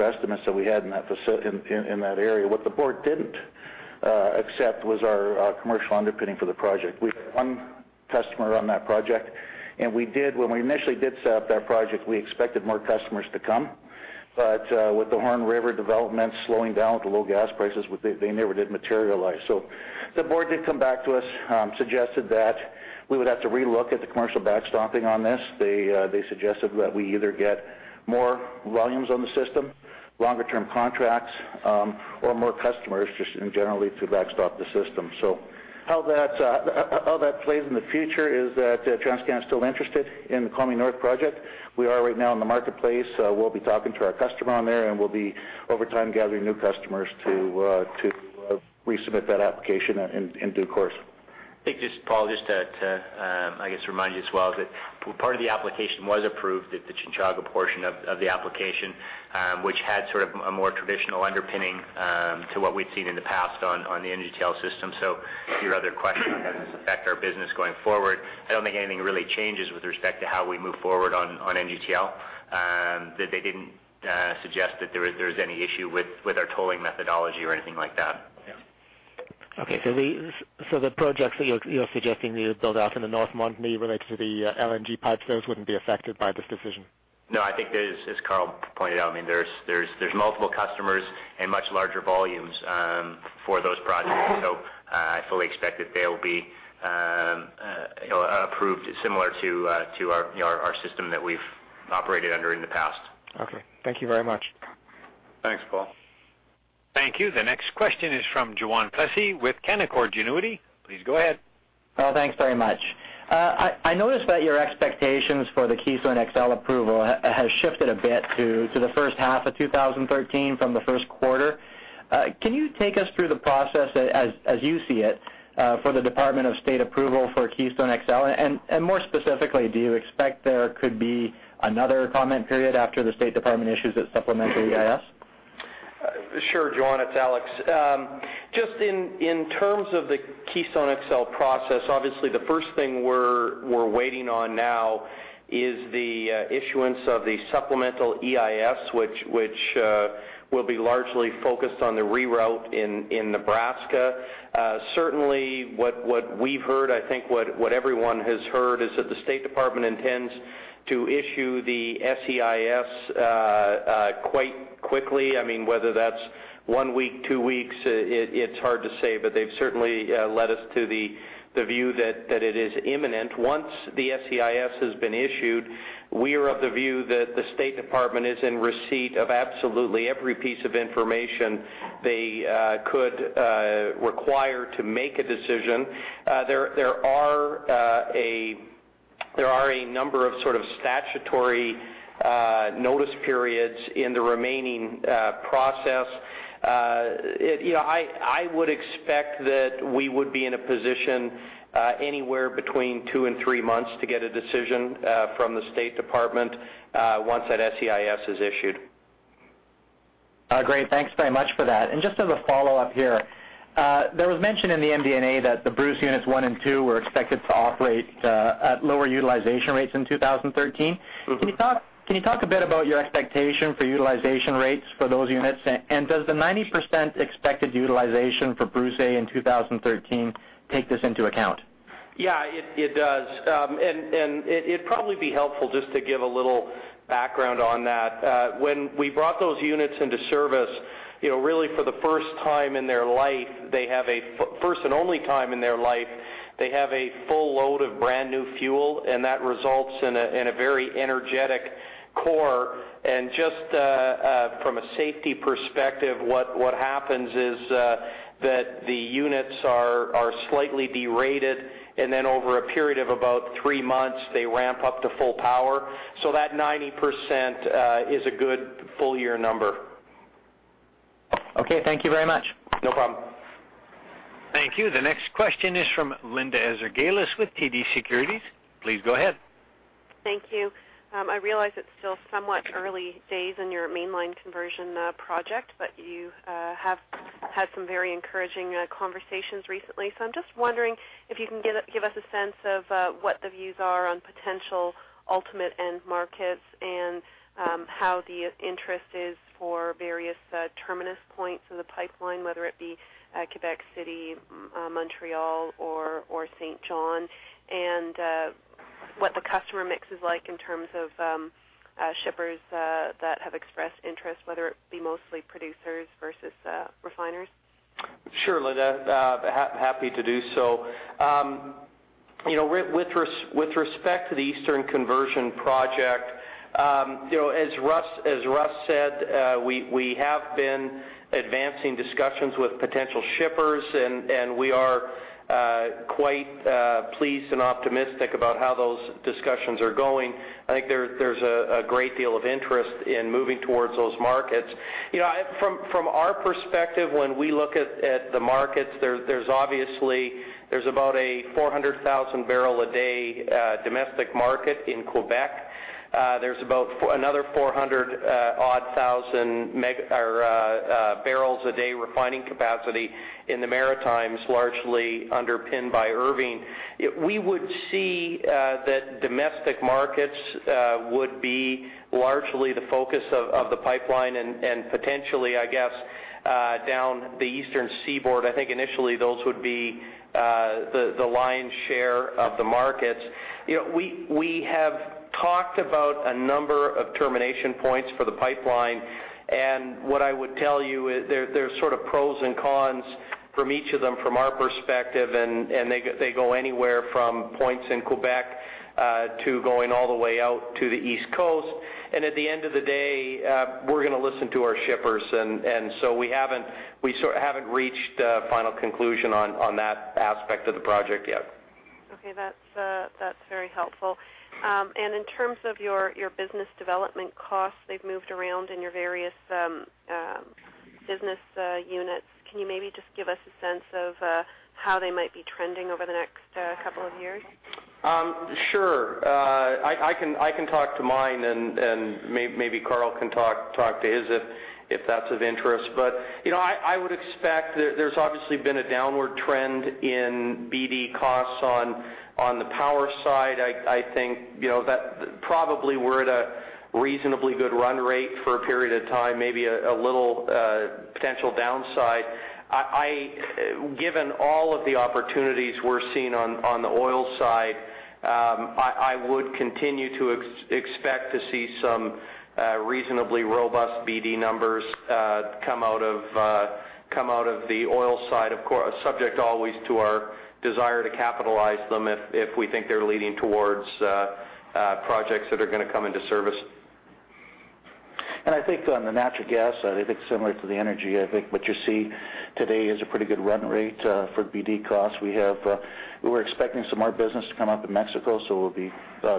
estimates that we had in that area. What the board didn't accept was our commercial underpinning for the project. We had one customer on that project, and when we initially did set up that project, we expected more customers to come. With the Horn River development slowing down with the low gas prices, they never did materialize. The board did come back to us, suggested that we would have to re-look at the commercial backstopping on this. They suggested that we either get more volumes on the system, longer-term contracts, or more customers just in general to backstop the system. How that plays in the future is that TransCanada is still interested in the Komie North project. We are right now in the marketplace. We'll be talking to our customer on there, and we'll be, over time, gathering new customers to resubmit that application in due course. I think, Paul, just to, I guess, remind you as well that part of the application was approved, the Chinchaga portion of the application, which had sort of a more traditional underpinning to what we'd seen in the past on the NGTL System. Your other question, how does this affect our business going forward? I don't think anything really changes with respect to how we move forward on NGTL. They didn't suggest that there was any issue with our tolling methodology or anything like that. Okay. The projects that you're suggesting you build out in the North Montney related to the LNG pipes, those wouldn't be affected by this decision? No, I think as Karl pointed out, there's multiple customers and much larger volumes for those projects. I fully expect that they'll be approved similar to our system that we've operated under in the past. Okay. Thank you very much. Thanks, Paul. Thank you. The next question is from Juan Plessis with Canaccord Genuity. Please go ahead. Thanks very much. I noticed that your expectations for the Keystone XL approval has shifted a bit to the first half of 2013 from the first quarter. Can you take us through the process as you see it for the Department of State approval for Keystone XL? More specifically, do you expect there could be another comment period after the State Department issues its supplemental EIS? Sure, Juan, it's Alex. Just in terms of the Keystone XL process, obviously the first thing we're waiting on now is the issuance of the supplemental EIS, which will be largely focused on the reroute in Nebraska. Certainly, what we've heard, I think what everyone has heard, is that the State Department intends to issue the SEIS quite quickly. Whether that's one week, two weeks, it's hard to say, but they've certainly led us to the view that it is imminent. Once the SEIS has been issued, we are of the view that the State Department is in receipt of absolutely every piece of information they could require to make a decision. There are a number of sort of statutory notice periods in the remaining process. I would expect that we would be in a position anywhere between 2 and 3 months to get a decision from the State Department once that SEIS is issued. Great. Thanks very much for that. Just as a follow-up here. There was mention in the MD&A that the Bruce units one and two were expected to operate at lower utilization rates in 2013. Mm-hmm. Can you talk a bit about your expectation for utilization rates for those units? Does the 90% expected utilization for Bruce A in 2013 take this into account? Yeah, it does. It'd probably be helpful just to give a little background on that. When we brought those units into service, really for the first time in their life, they have a full load of brand-new fuel, and that results in a very energetic core. Just from a safety perspective, what happens is that the units are slightly derated, and then over a period of about three months, they ramp up to full power. That 90% is a good full-year number. Okay. Thank you very much. No problem. Thank you. The next question is from Linda Ezergailis with TD Securities. Please go ahead. Thank you. I realize it's still somewhat early days in your mainline conversion project, but you have had some very encouraging conversations recently. I'm just wondering if you can give us a sense of what the views are on potential ultimate end markets and how the interest is for various terminus points of the pipeline, whether it be Québec City, Montreal, or Saint John. What the customer mix is like in terms of shippers that have expressed interest, whether it be mostly producers versus refiners. Sure, Linda. Happy to do so. With respect to the Eastern conversion project, as Russ said, we have been advancing discussions with potential shippers, and we are quite pleased and optimistic about how those discussions are going. I think there's a great deal of interest in moving towards those markets. From our perspective, when we look at the markets, there's about a 400,000 barrel a day domestic market in Québec. There's about another 400-odd thousand barrels a day refining capacity in the Maritimes, largely underpinned by Irving. We would see that domestic markets would be largely the focus of the pipeline and potentially, I guess, down the eastern seaboard. I think initially those would be the lion's share of the markets. We have talked about a number of termination points for the pipeline. What I would tell you, there's sort of pros and cons from each of them from our perspective, and they go anywhere from points in Québec, to going all the way out to the East Coast. At the end of the day, we're going to listen to our shippers. We haven't reached a final conclusion on that aspect of the project yet. Okay. That's very helpful. In terms of your business development costs, they've moved around in your various business units. Can you maybe just give us a sense of how they might be trending over the next couple of years? Sure. I can talk to mine and maybe Karl can talk to his, if that's of interest. I would expect there's obviously been a downward trend in BD costs on the power side. I think that probably we're at a reasonably good run rate for a period of time, maybe a little potential downside. Given all of the opportunities we're seeing on the oil side, I would continue to expect to see some reasonably robust BD numbers come out of the oil side, subject always to our desire to capitalize them if we think they're leading towards projects that are going to come into service. I think on the natural gas side, I think what you see today is a pretty good run rate for BD costs. We're expecting some more business to come up in Mexico, so we'll be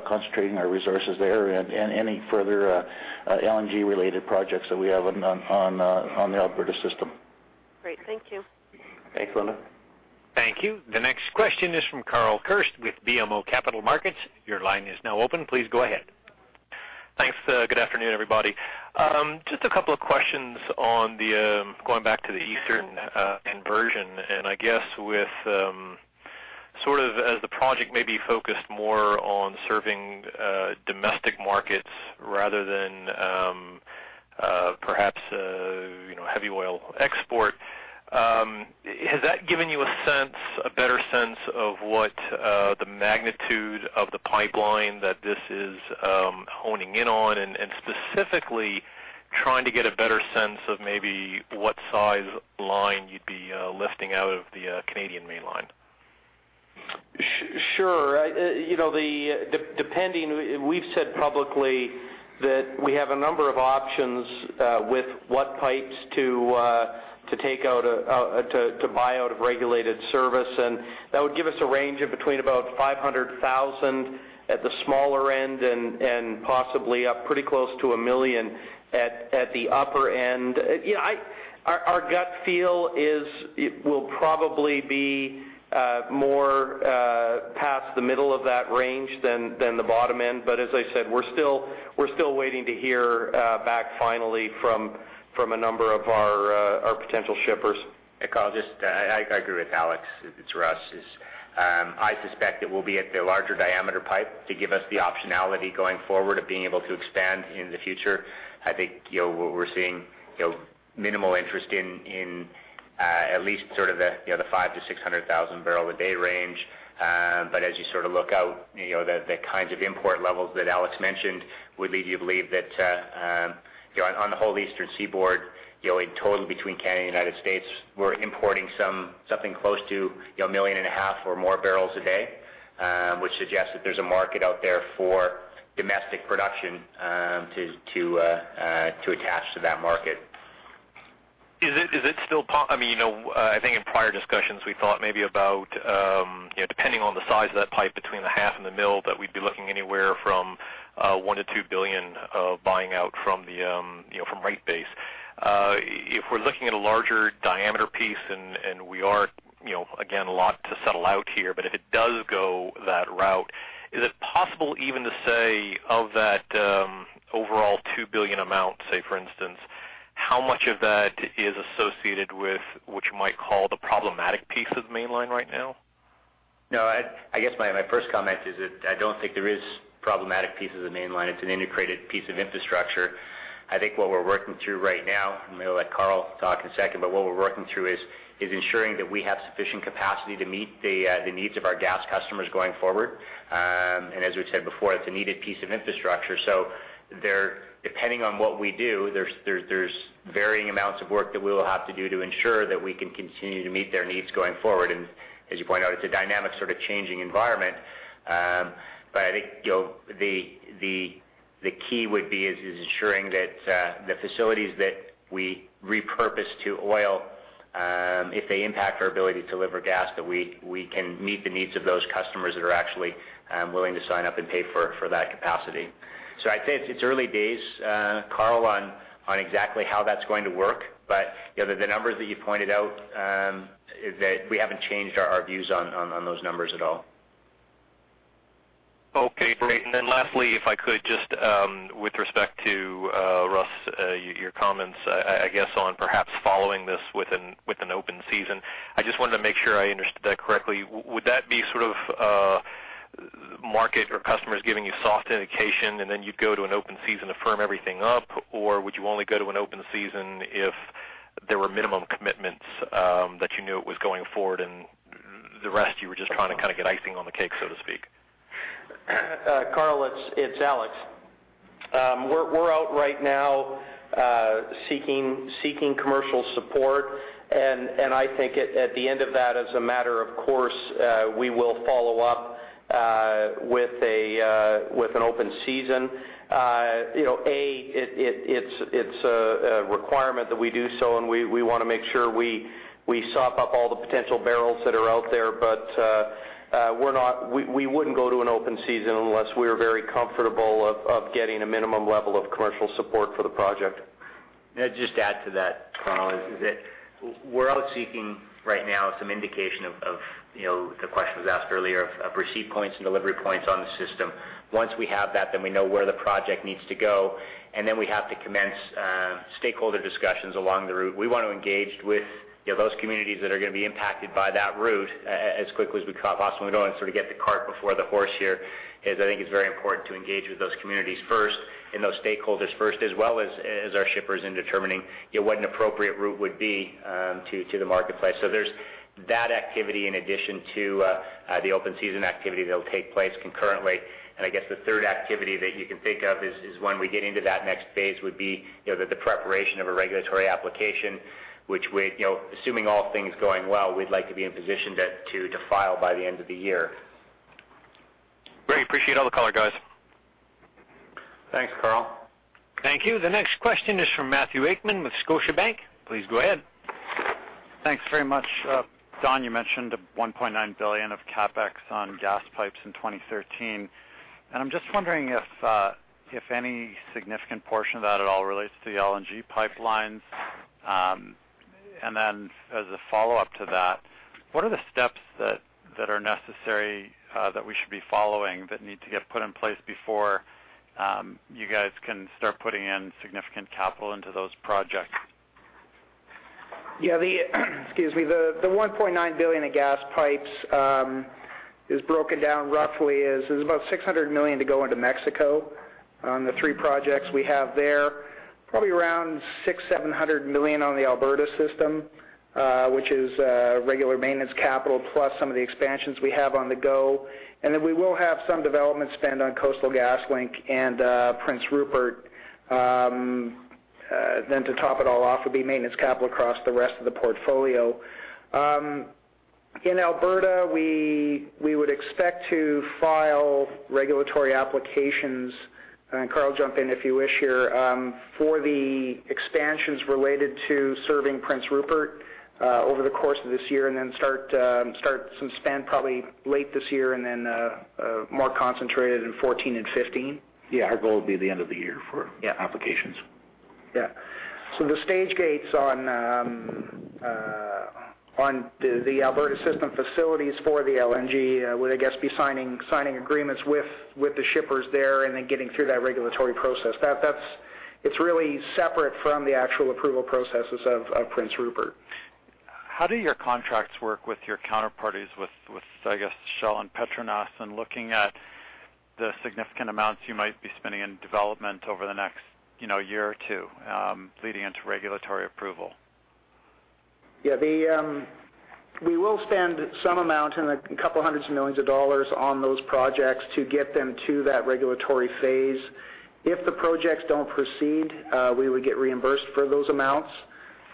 concentrating our resources there and any further LNG-related projects that we have on the Alberta system. Great. Thank you. Thanks, Linda. Thank you. The next question is from Carl Kirst with BMO Capital Markets. Your line is now open. Please go ahead. Thanks. Good afternoon, everybody. Just a couple of questions on going back to the eastern conversion, and I guess with sort of as the project may be focused more on serving domestic markets rather than perhaps heavy oil export. Has that given you a better sense of what the magnitude of the pipeline that this is honing in on and specifically trying to get a better sense of maybe what size line you'd be lifting out of the Canadian Mainline? Sure. We've said publicly that we have a number of options with what pipes to buy out of regulated service, and that would give us a range of between about 500,000 at the smaller end and possibly up pretty close to 1 million at the upper end. Our gut feel is it will probably be more past the middle of that range than the bottom end. But as I said, we're still waiting to hear back finally from a number of our potential shippers. Carl, I agree with Alex. It's Russ. I suspect it will be at the larger diameter pipe to give us the optionality going forward of being able to expand in the future. I think what we're seeing, minimal interest in at least sort of the 500,000-600,000 barrel a day range. As you sort of look out, the kinds of import levels that Alex mentioned would lead you to believe that on the whole Eastern Seaboard, in total between Canada and United States, we're importing something close to 1.5 million or more barrels a day, which suggests that there's a market out there for domestic production to attach to that market. I think in prior discussions, we thought maybe about, depending on the size of that pipe between the half and the mil, that we'd be looking anywhere from 1 billion-2 billion of buying out from rate base. If we're looking at a larger diameter piece, and we are, again, a lot to settle out here, but if it does go that route, is it possible even to say of that overall 2 billion amount, say, for instance, how much of that is associated with what you might call the problematic piece of the Mainline right now? No. I guess my first comment is that I don't think there is a problematic piece of the Mainline. It's an integrated piece of infrastructure. I think what we're working through right now, I'm going to let Karl talk in a second, but what we're working through is ensuring that we have sufficient capacity to meet the needs of our gas customers going forward. As we've said before, it's a needed piece of infrastructure. Depending on what we do, there's varying amounts of work that we will have to do to ensure that we can continue to meet their needs going forward. As you point out, it's a dynamic, sort of, changing environment. I think the key would be ensuring that the facilities that we repurpose to oil, if they impact our ability to deliver gas, that we can meet the needs of those customers that are actually willing to sign up and pay for that capacity. So I'd say it's early days, Carl, on exactly how that's going to work. The numbers that you pointed out, that we haven't changed our views on those numbers at all. Okay, great. Lastly, if I could, just with respect to, Russ, your comments, I guess, on perhaps following this with an open season. I just wanted to make sure I understood that correctly. Would that be sort of market or customers giving you soft indication, and then you'd go to an open season to firm everything up? Or would you only go to an open season if there were minimum commitments that you knew it was going forward, and the rest you were just trying to get icing on the cake, so to speak? Carl, it's Alex. We're out right now seeking commercial support, and I think at the end of that, as a matter of course, we will follow up with an open season. It's a requirement that we do so, and we want to make sure we sop up all the potential barrels that are out there. We wouldn't go to an open season unless we are very comfortable of getting a minimum level of commercial support for the project. May I just add to that, is that we're out seeking, right now, some indication of, the question was asked earlier, of receipt points and delivery points on the system. Once we have that, then we know where the project needs to go, and then we have to commence stakeholder discussions along the route. We want to engage with those communities that are going to be impacted by that route as quickly as we possibly can. We don't want to sort of get the cart before the horse here, as I think it's very important to engage with those communities first and those stakeholders first, as well as our shippers in determining what an appropriate route would be to the marketplace. There's that activity in addition to the open season activity that'll take place concurrently. I guess the third activity that you can think of is, when we get into that next phase, the preparation of a regulatory application, which, assuming all things going well, we'd like to be in position to file by the end of the year. Great. Appreciate all the color, guys. Thanks, Carl. Thank you. The next question is from Matthew Akman with Scotiabank. Please go ahead. Thanks very much. Don, you mentioned the 1.9 billion of CapEx on gas pipes in 2013. I'm just wondering if any significant portion of that at all relates to the LNG pipelines. As a follow-up to that, what are the steps that are necessary that we should be following that need to get put in place before you guys can start putting in significant capital into those projects? Yeah. Excuse me. The 1.9 billion in gas pipes is broken down roughly as about 600 million to go into Mexico on the three projects we have there. Probably around 600 million-700 million on the Alberta system, which is regular maintenance capital plus some of the expansions we have on the go. We will have some development spend on Coastal GasLink and Prince Rupert. To top it all off would be maintenance capital across the rest of the portfolio. In Alberta, we would expect to file regulatory applications, and Karl, jump in if you wish here, for the expansions related to serving Prince Rupert, over the course of this year. Start some spend probably late this year and then more concentrated in 2014 and 2015. Yeah. Our goal would be the end of the year for- Yeah Applications. Yeah. The stage gates on the Alberta system facilities for the LNG would, I guess, be signing agreements with the shippers there and then getting through that regulatory process. It's really separate from the actual approval processes of Prince Rupert. How do your contracts work with your counterparties, with, I guess, Shell and Petronas, and looking at the significant amounts you might be spending in development over the next year or two, leading into regulatory approval? We will spend some amount in a couple hundred million dollars on those projects to get them to that regulatory phase. If the projects don't proceed, we would get reimbursed for those amounts.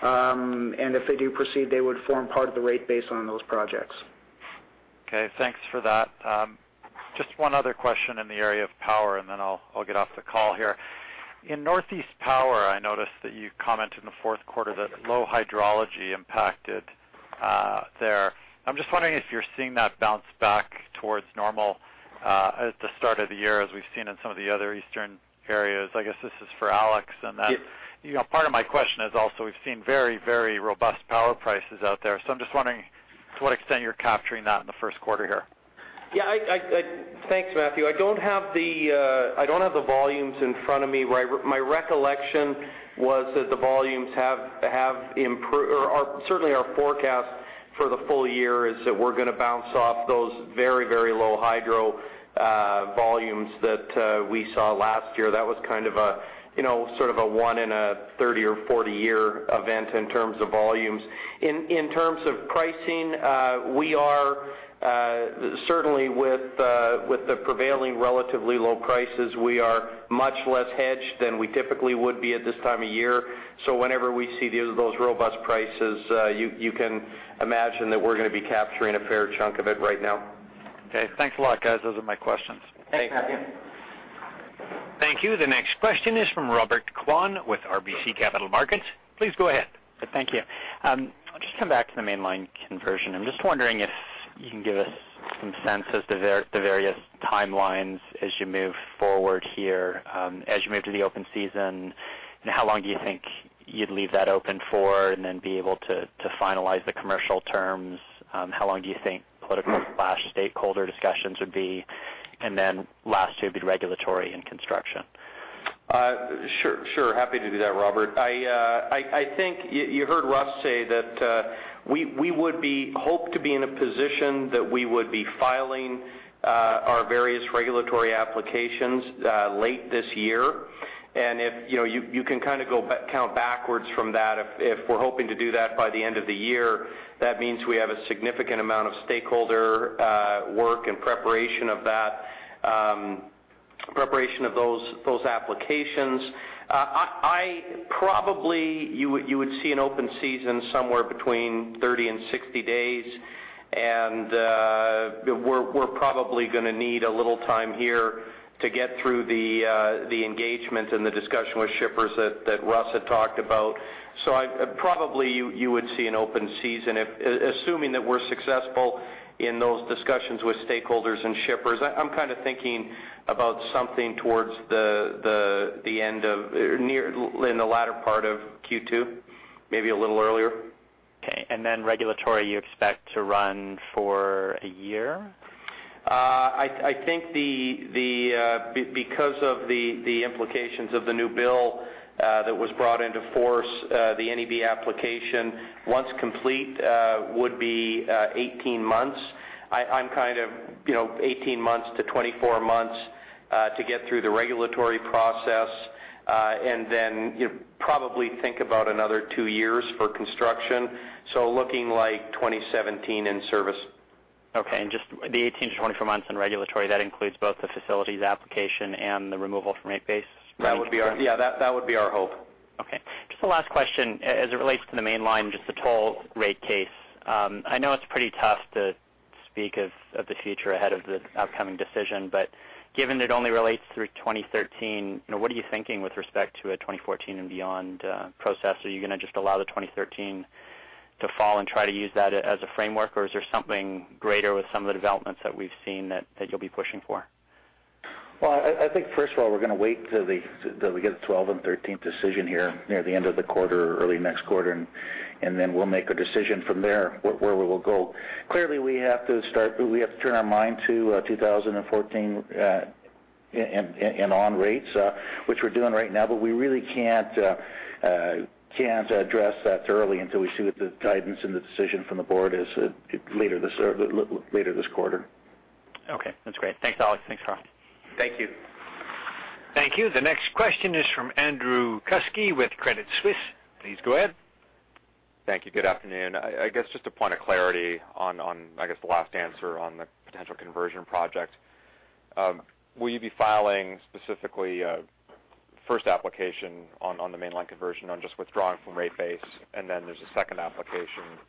If they do proceed, they would form part of the rate base on those projects. Okay, thanks for that. Just one other question in the area of power, and then I'll get off the call here. In Eastern Power, I noticed that you commented in the fourth quarter that low hydrology impacted there. I'm just wondering if you're seeing that bounce back towards normal at the start of the year, as we've seen in some of the other eastern areas. I guess this is for Alex. Yeah. You know part of my question is also, we've seen very, very robust power prices out there. I'm just wondering to what extent you're capturing that in the first quarter here. Yeah. Thanks, Matthew. I don't have the- I don't have the volumes in front of me. My recollection was that the volumes have improved, or certainly our forecast for the full year is that we're going to bounce off those very, very low hydro volumes that we saw last year. That was sort of a one in a 30- or 40-year event in terms of volumes. In terms of pricing, certainly, with the prevailing relatively low prices, we are much less hedged than we typically would be at this time of year. Whenever we see those robust prices, you can imagine that we're going to be capturing a fair chunk of it right now. Okay. Thanks a lot, guys. Those are my questions. Thanks. Thank you. The next question is from Robert Kwan with RBC Capital Markets. Please go ahead. Thank you. I'll just come back to the mainline conversion. I'm just wondering if you can give us some sense as to the various timelines as you move forward here, as you move to the open season. How long do you think you'd leave that open for and then be able to finalize the commercial terms? How long do you think political/stakeholder discussions would be? Lastly, it would be regulatory and construction. Sure. Happy to do that, Robert. I think you heard Russ say that we would hope to be in a position that we would be filing our various regulatory applications late this year. You can kind of count backwards from that. If we're hoping to do that by the end of the year, that means we have a significant amount of stakeholder work and preparation of those applications. Probably, you would see an open season somewhere between 30 and 60 days, and we're probably gonna need a little time here to get through the engagement and the discussion with shippers that Russ had talked about. Probably, you would see an open season, assuming that we're successful in those discussions with stakeholders and shippers. I'm kind of thinking about something towards the end of or in the latter part of Q2, maybe a little earlier. Okay. Regulatory, you expect to run for a year? I think because of the implications of the new bill that was brought into force, the NEB application, once complete, would be 18 months. I'm kind of 18 months-24 months to get through the regulatory process. Then probably think about another 2 years for construction. Looking like 2017 in service. Okay. Just the 18-24 months in regulatory, that includes both the facilities application and the removal from rate base? Yeah, that would be our hope. Okay. Just a last question, as it relates to the mainline, just the toll rate case. I know it's pretty tough to speak of the future ahead of the upcoming decision, but given it only relates through 2013, what are you thinking with respect to a 2014 and beyond process? Are you going to just allow the 2013 to fall and try to use that as a framework, or is there something greater with some of the developments that we've seen that you'll be pushing for? Well, I think, first of all, we're going to wait till we get the 2012 and 2013 decision here near the end of the quarter or early next quarter, and then we'll make a decision from there, where we will go. Clearly, we have to turn our mind to 2014 and on rates, which we're doing right now, but we really can't address that thoroughly until we see what the guidance and the decision from the board is later this quarter. Okay. That's great. Thanks, Alex. Thanks, Russ. Thank you. Thank you. The next question is from Andrew Kuske with Credit Suisse. Please go ahead. Thank you. Good afternoon. I guess just a point of clarity on, I guess, the last answer on the potential conversion project. Will you be filing specifically first application on the mainline conversion on just withdrawing from rate base, and then there's a second application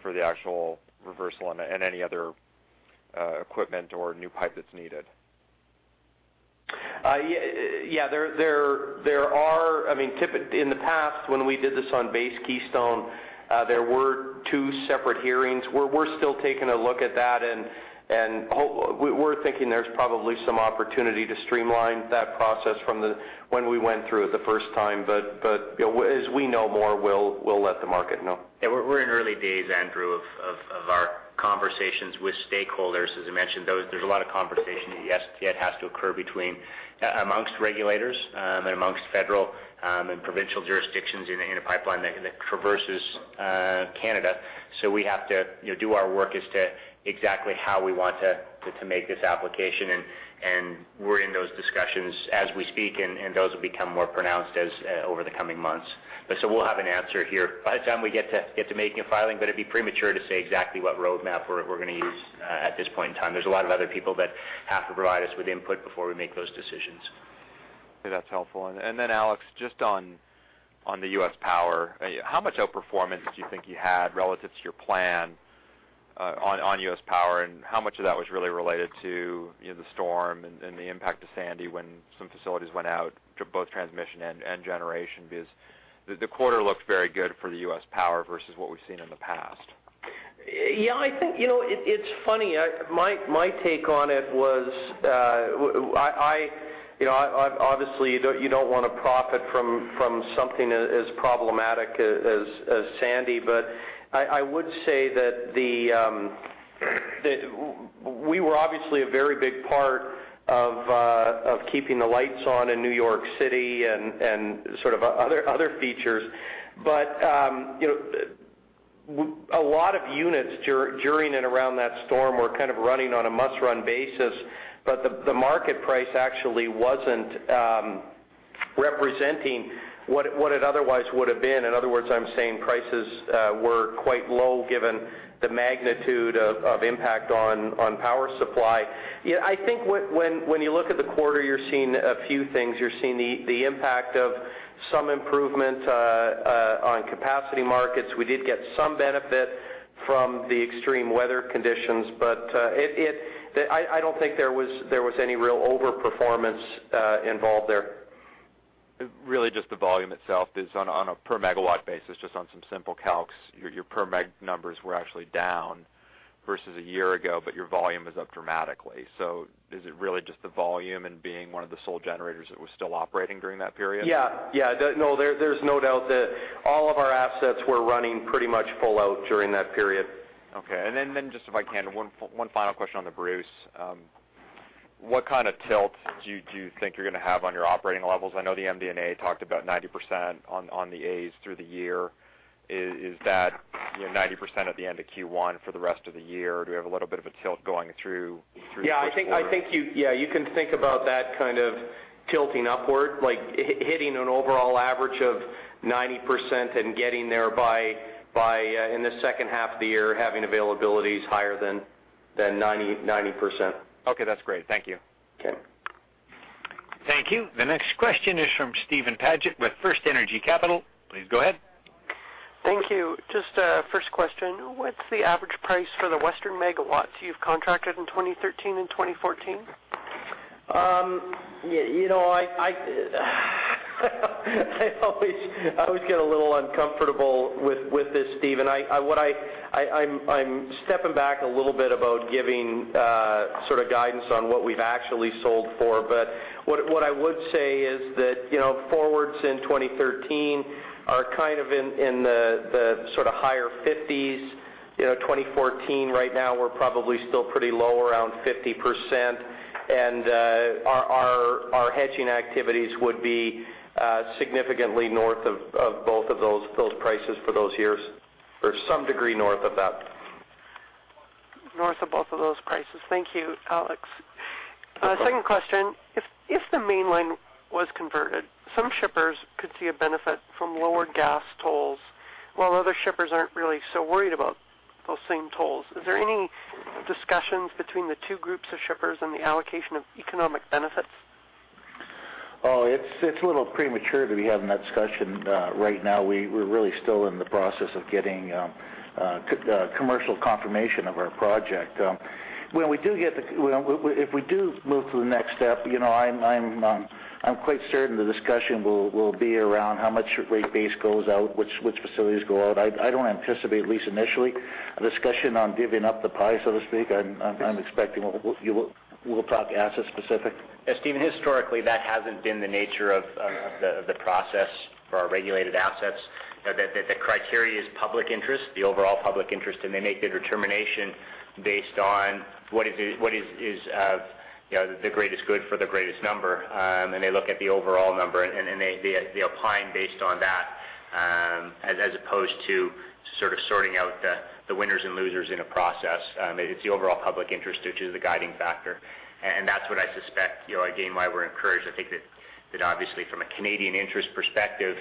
for the actual reversal and any other equipment or new pipe that's needed? Yeah. In the past, when we did this on the Keystone, there were two separate hearings. We're still taking a look at that, and we're thinking there's probably some opportunity to streamline that process from when we went through it the first time. As we know more, we'll let the market know. Yeah. We're in early days, Andrew, of our conversations with stakeholders. As I mentioned, there's a lot of conversation that yet has to occur among regulators, among federal and provincial jurisdictions in a pipeline that traverses Canada. We have to do our work as to exactly how we want to make this application, and we're in those discussions as we speak, and those will become more pronounced over the coming months. We'll have an answer here by the time we get to making a filing, but it'd be premature to say exactly what roadmap we're going to use at this point in time. There's a lot of other people that have to provide us with input before we make those decisions. Okay, that's helpful. Alex, just on the U.S. Power, how much outperformance do you think you had relative to your plan on U.S. Power, and how much of that was really related to the storm and the impact of Sandy when some facilities went out to both transmission and generation? Because the quarter looked very good for the U.S. Power versus what we've seen in the past. Yeah. I think it's funny. My take on it was, obviously, you don't want to profit from something as problematic as Sandy, but I would say that we were obviously a very big part of keeping the lights on in New York City and other features. A lot of units during and around that storm were kind of running on a must-run basis, but the market price actually wasn't representing what it otherwise would've been. In other words, I'm saying prices were quite low given the magnitude of impact on power supply. I think when you look at the quarter, you're seeing a few things. You're seeing the impact of some improvement on capacity markets. We did get some benefit from the extreme weather conditions. I don't think there was any real over-performance involved there. Really just the volume itself is on a per megawatt basis, just on some simple calcs, your per meg numbers were actually down versus a year ago, but your volume is up dramatically. Is it really just the volume and being one of the sole generators that was still operating during that period? Yeah. There's no doubt that all of our assets were running pretty much full out during that period. Okay. Just if I can, one final question on the Bruce. What kind of tilt do you think you're going to have on your operating levels? I know the MD&A talked about 90% on the A's through the year. Is that 90% at the end of Q1 for the rest of the year? Do we have a little bit of a tilt going through the first quarter? Yeah, you can think about that kind of tilting upward, like hitting an overall average of 90% and getting there by in the second half of the year, having availabilities higher than 90%. Okay. That's great. Thank you. Okay. Thank you. The next question is from Steven Paget with FirstEnergy Capital. Please go ahead. Thank you. Just first question, what's the average price for the Western megawatts you've contracted in 2013 and 2014? I always get a little uncomfortable with this, Steven. I'm stepping back a little bit about giving sort of guidance on what we've actually sold for, but what I would say is that forwards in 2013 are kind of in the sort of higher 50s. 2014, right now, we're probably still pretty low, around 50%, and our hedging activities would be significantly north of both of those prices for those years, or some degree north of that. North of both of those prices. Thank you, Alex. Welcome. Second question, if the mainline was converted, some shippers could see a benefit from lower gas tolls, while other shippers aren't really so worried about those same tolls. Is there any discussions between the two groups of shippers and the allocation of economic benefits? It's a little premature to be having that discussion right now. We're really still in the process of getting commercial confirmation of our project. If we do move to the next step, I'm quite certain the discussion will be around how much rate base goes out, which facilities go out. I don't anticipate, at least initially, a discussion on divvying up the pie, so to speak. I'm expecting we'll talk asset specific. Steven, historically, that hasn't been the nature of the process for our regulated assets. The criteria is public interest, the overall public interest, and they make their determination based on what is the greatest good for the greatest number, and they look at the overall number, and they apply based on that, as opposed to sort of sorting out the winners and losers in a process. It's the overall public interest, which is the guiding factor. That's what I suspect, again, why we're encouraged. I think that obviously from a Canadian interest perspective,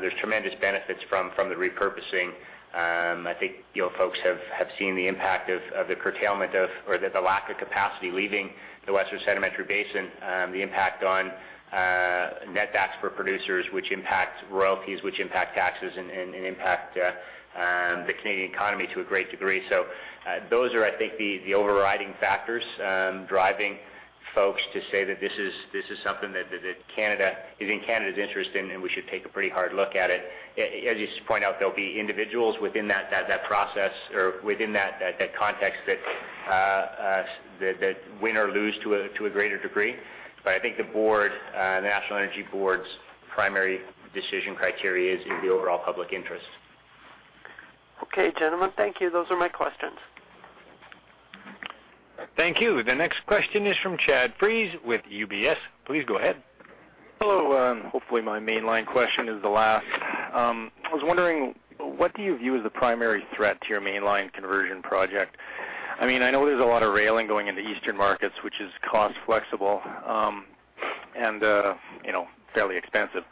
there's tremendous benefits from the repurposing. I think folks have seen the impact of the curtailment of or the lack of capacity leaving the Western Sedimentary Basin, the impact on netbacks for producers, which impacts royalties, which impact taxes and impact the Canadian economy to a great degree. Those are, I think, the overriding factors driving folks to say that this is something that is in Canada's interest, and we should take a pretty hard look at it. As you point out, there'll be individuals within that process or within that context that win or lose to a greater degree. I think the National Energy Board's primary decision criteria is in the overall public interest. Okay, gentlemen. Thank you. Those are my questions. Thank you. The next question is from Chad Friess with UBS. Please go ahead. Hello. Hopefully, my mainline question is the last. I was wondering, what do you view as the primary threat to your mainline conversion project? I know there's a lot of railing going into Eastern markets, which is cost flexible and fairly expensive.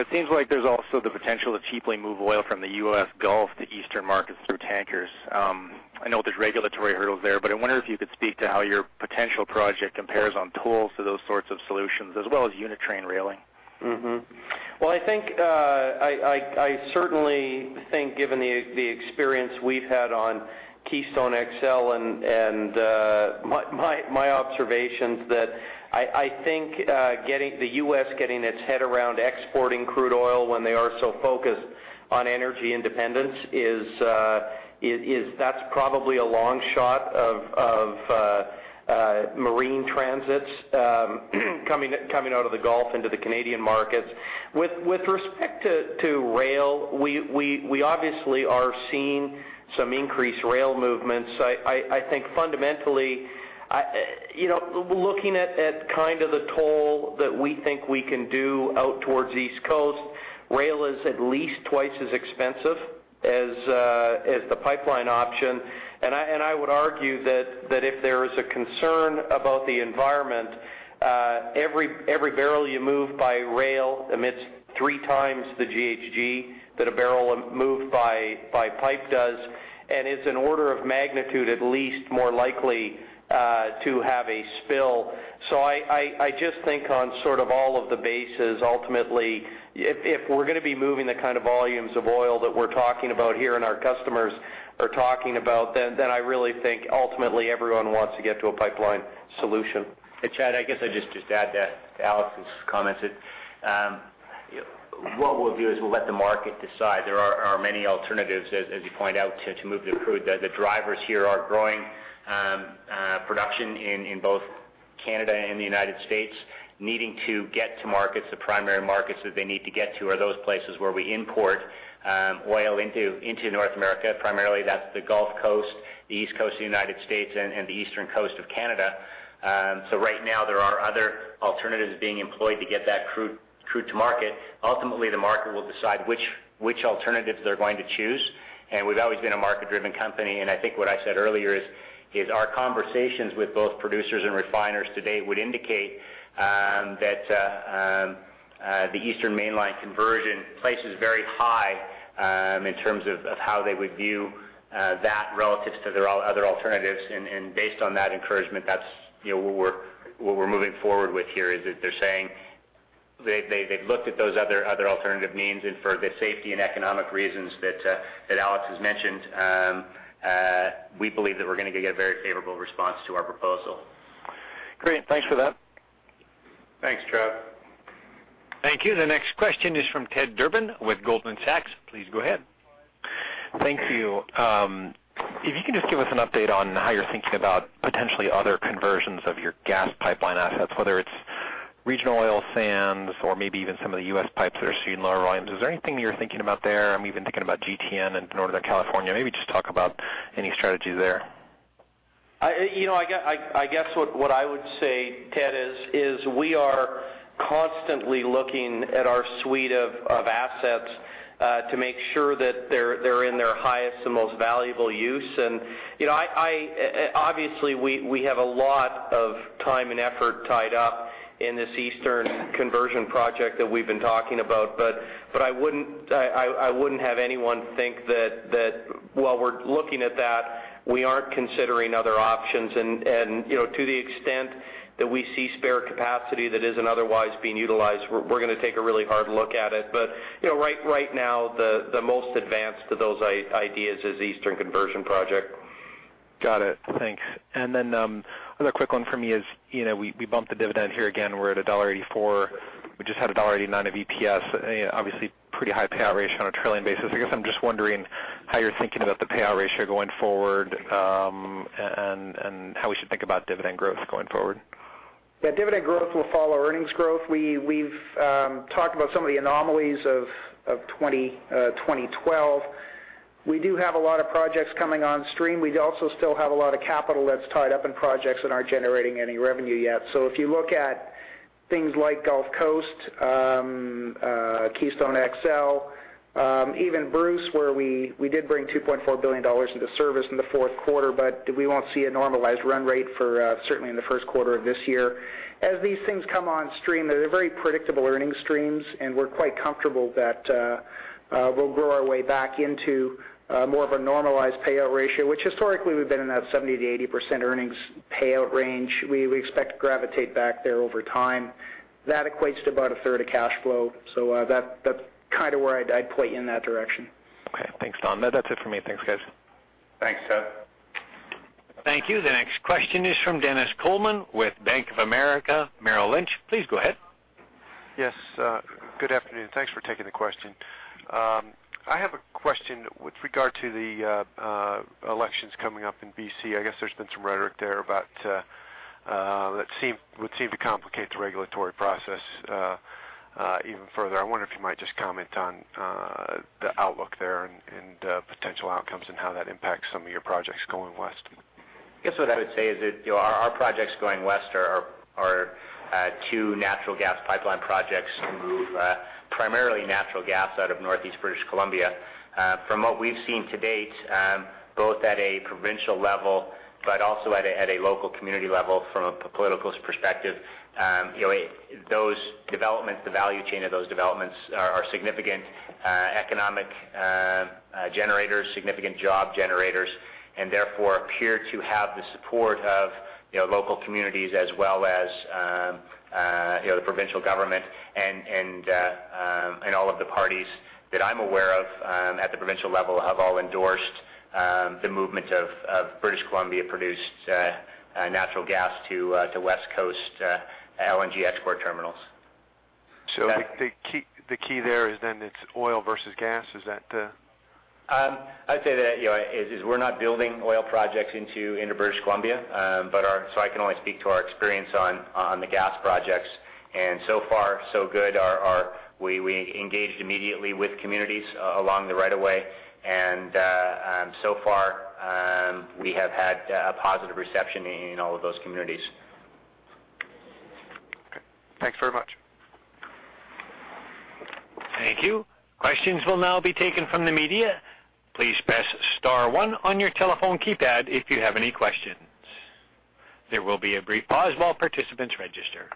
It seems like there's also the potential to cheaply move oil from the U.S. Gulf to Eastern markets through tankers. I know there's regulatory hurdles there, but I wonder if you could speak to how your potential project compares on tolls to those sorts of solutions as well as unit train railing. Mmm-hmm. Well, I certainly think, given the experience we've had on Keystone XL and my observations, that I think the U.S. getting its head around exporting crude oil when they are so focused on energy independence, that's probably a long shot of marine transits coming out of the Gulf into the Canadian markets. With respect to rail, we obviously are seeing some increased rail movements. I think fundamentally, looking at kind of the toll that we think we can do out towards the East Coast rail is at least twice as expensive as the pipeline option, and I would argue that if there is a concern about the environment, every barrel you move by rail emits three times the GHG that a barrel moved by pipe does, and is an order of magnitude at least more likely to have a spill. I just think on sort of all of the bases, ultimately, if we're going to be moving the kind of volumes of oil that we're talking about here and our customers are talking about, then I really think ultimately everyone wants to get to a pipeline solution. Chad, I guess I'd just add to Alex's comments that what we'll do is we'll let the market decide. There are many alternatives, as you point out, to move the crude. The drivers here are growing production in both Canada and the United States, needing to get to markets. The primary markets that they need to get to are those places where we import oil into North America. Primarily, that's the Gulf Coast, the East Coast of the United States, and the Eastern Coast of Canada. Right now, there are other alternatives being employed to get that crude to market. Ultimately, the market will decide which alternatives they're going to choose. We've always been a market-driven company, and I think what I said earlier is our conversations with both producers and refiners to date would indicate that the Eastern Mainline conversion places very high in terms of how they would view that relative to their other alternatives. Based on that encouragement, that's what we're moving forward with here, is that they're saying they've looked at those other alternative means, and for the safety and economic reasons that Alex has mentioned, we believe that we're going to get a very favorable response to our proposal. Great. Thanks for that. Thanks, Chad. Thank you. The next question is from Ted Durbin with Goldman Sachs. Please go ahead. Thank you. If you can just give us an update on how you're thinking about potentially other conversions of your gas pipeline assets, whether it's regional oil sands or maybe even some of the U.S. pipes that are seeing lower volumes. Is there anything you're thinking about there, and we've been thinking about GTN in Northern California. Maybe just talk about any strategies there. I guess what I would say, Ted, is we are constantly looking at our suite of assets to make sure that they're in their highest and most valuable use. Obviously, we have a lot of time and effort tied up in this Eastern conversion project that we've been talking about. I wouldn't have anyone think that while we're looking at that, we aren't considering other options. To the extent that we see spare capacity that isn't otherwise being utilized, we're going to take a really hard look at it. Right now, the most advanced of those ideas is the Eastern conversion project. Got it. Thanks. Another quick one for me is, we bumped the dividend here again. We're at dollar 1.84. We just had dollar 1.89 of EPS. Obviously, pretty high payout ratio on a trailing basis. I guess I'm just wondering how you're thinking about the payout ratio going forward, and how we should think about dividend growth going forward. Yeah. Dividend growth will follow earnings growth. We've talked about some of the anomalies of 2012. We do have a lot of projects coming on stream. We also still have a lot of capital that's tied up in projects that aren't generating any revenue yet. If you look at things like Gulf Coast, Keystone XL, even Bruce, where we did bring $2.4 billion into service in the fourth quarter, but we won't see a normalized run rate, certainly in the first quarter of this year. As these things come on stream, they're very predictable earnings streams, and we're quite comfortable that we'll grow our way back into more of a normalized payout ratio, which historically we've been in that 70%-80% earnings payout range. We expect to gravitate back there over time. That equates to about a third of cash flow. That's kind of where I'd point you in that direction. Okay. Thanks, Don. That's it for me. Thanks, guys. Thanks, Ted. Thank you. The next question is from Dennis Coleman with Bank of America Merrill Lynch. Please go ahead. Yes. Good afternoon. Thanks for taking the question. I have a question with regard to the elections coming up in BC. I guess there's been some rhetoric there that would seem to complicate the regulatory process even further. I wonder if you might just comment on the outlook there and potential outcomes and how that impacts some of your projects going west. I guess what I would say is that our projects going west are two natural gas pipeline projects to move primarily natural gas out of Northeast British Columbia. From what we've seen to date, both at a provincial level but also at a local community level from a political perspective, those developments, the value chain of those developments are significant economic generators, significant job generators, and therefore appear to have the support of local communities as well as the provincial government, and all of the parties that I'm aware of at the provincial level have all endorsed the movement of British Columbia-produced natural gas to West Coast LNG export terminals. The key there is then it's oil versus gas? Is that- I'd say that, we're not building oil projects into British Columbia. I can only speak to our experience on the gas projects, and so far so good. We engaged immediately with communities along the right of way, and so far, we have had a positive reception in all of those communities. Thanks very much. Thank you. Questions will now be taken from the media. Please press star one on your telephone keypad if you have any questions. There will be a brief pause while participants register.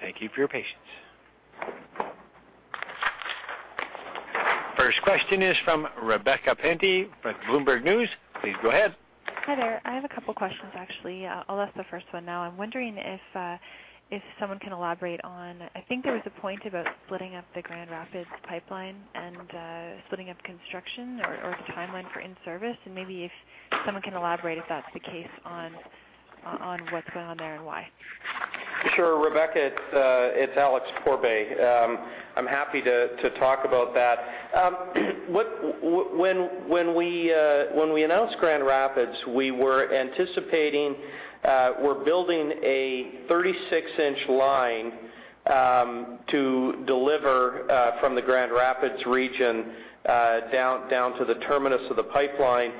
Thank you for your patience. First question is from Rebecca Penty from Bloomberg News. Please go ahead. Hi there. I have a couple questions, actually. I'll ask the first one now. I'm wondering if someone can elaborate on, I think there was a point about splitting up the Grand Rapids Pipeline and splitting up construction or the timeline for in-service, and maybe if someone can elaborate, if that's the case, on what's going on there and why? Sure, Rebecca, it's Alex Pourbaix. I'm happy to talk about that. When we announced Grand Rapids, we were anticipating we're building a 36-inch line to deliver from the Grand Rapids region down to the terminus of the pipeline.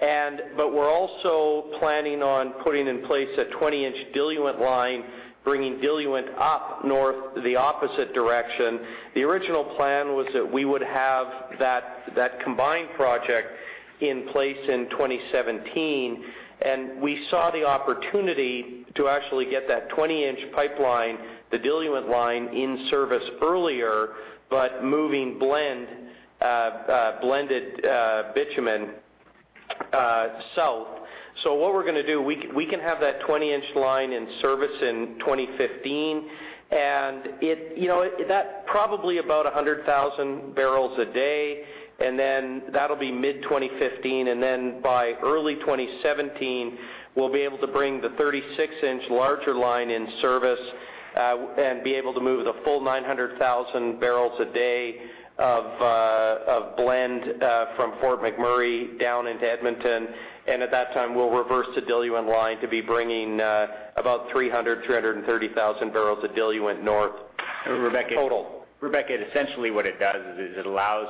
We're also planning on putting in place a 20-inch diluent line, bringing diluent up north in the opposite direction. The original plan was that we would have that combined project in place in 2017. We saw the opportunity to actually get that 20-inch pipeline, the diluent line, in service earlier, but moving blended bitumen south. What we're going to do, we can have that 20-inch line in service in 2015, and that probably about 100,000 barrels a day, and then that'll be mid-2015. By early 2017, we'll be able to bring the 36-inch larger line in service, and be able to move the full 900,000 barrels a day of blend from Fort McMurray down into Edmonton. At that time, we'll reverse the diluent line to be bringing about 300,000-330,000 barrels of diluent north total. Rebecca, essentially what it does is it allows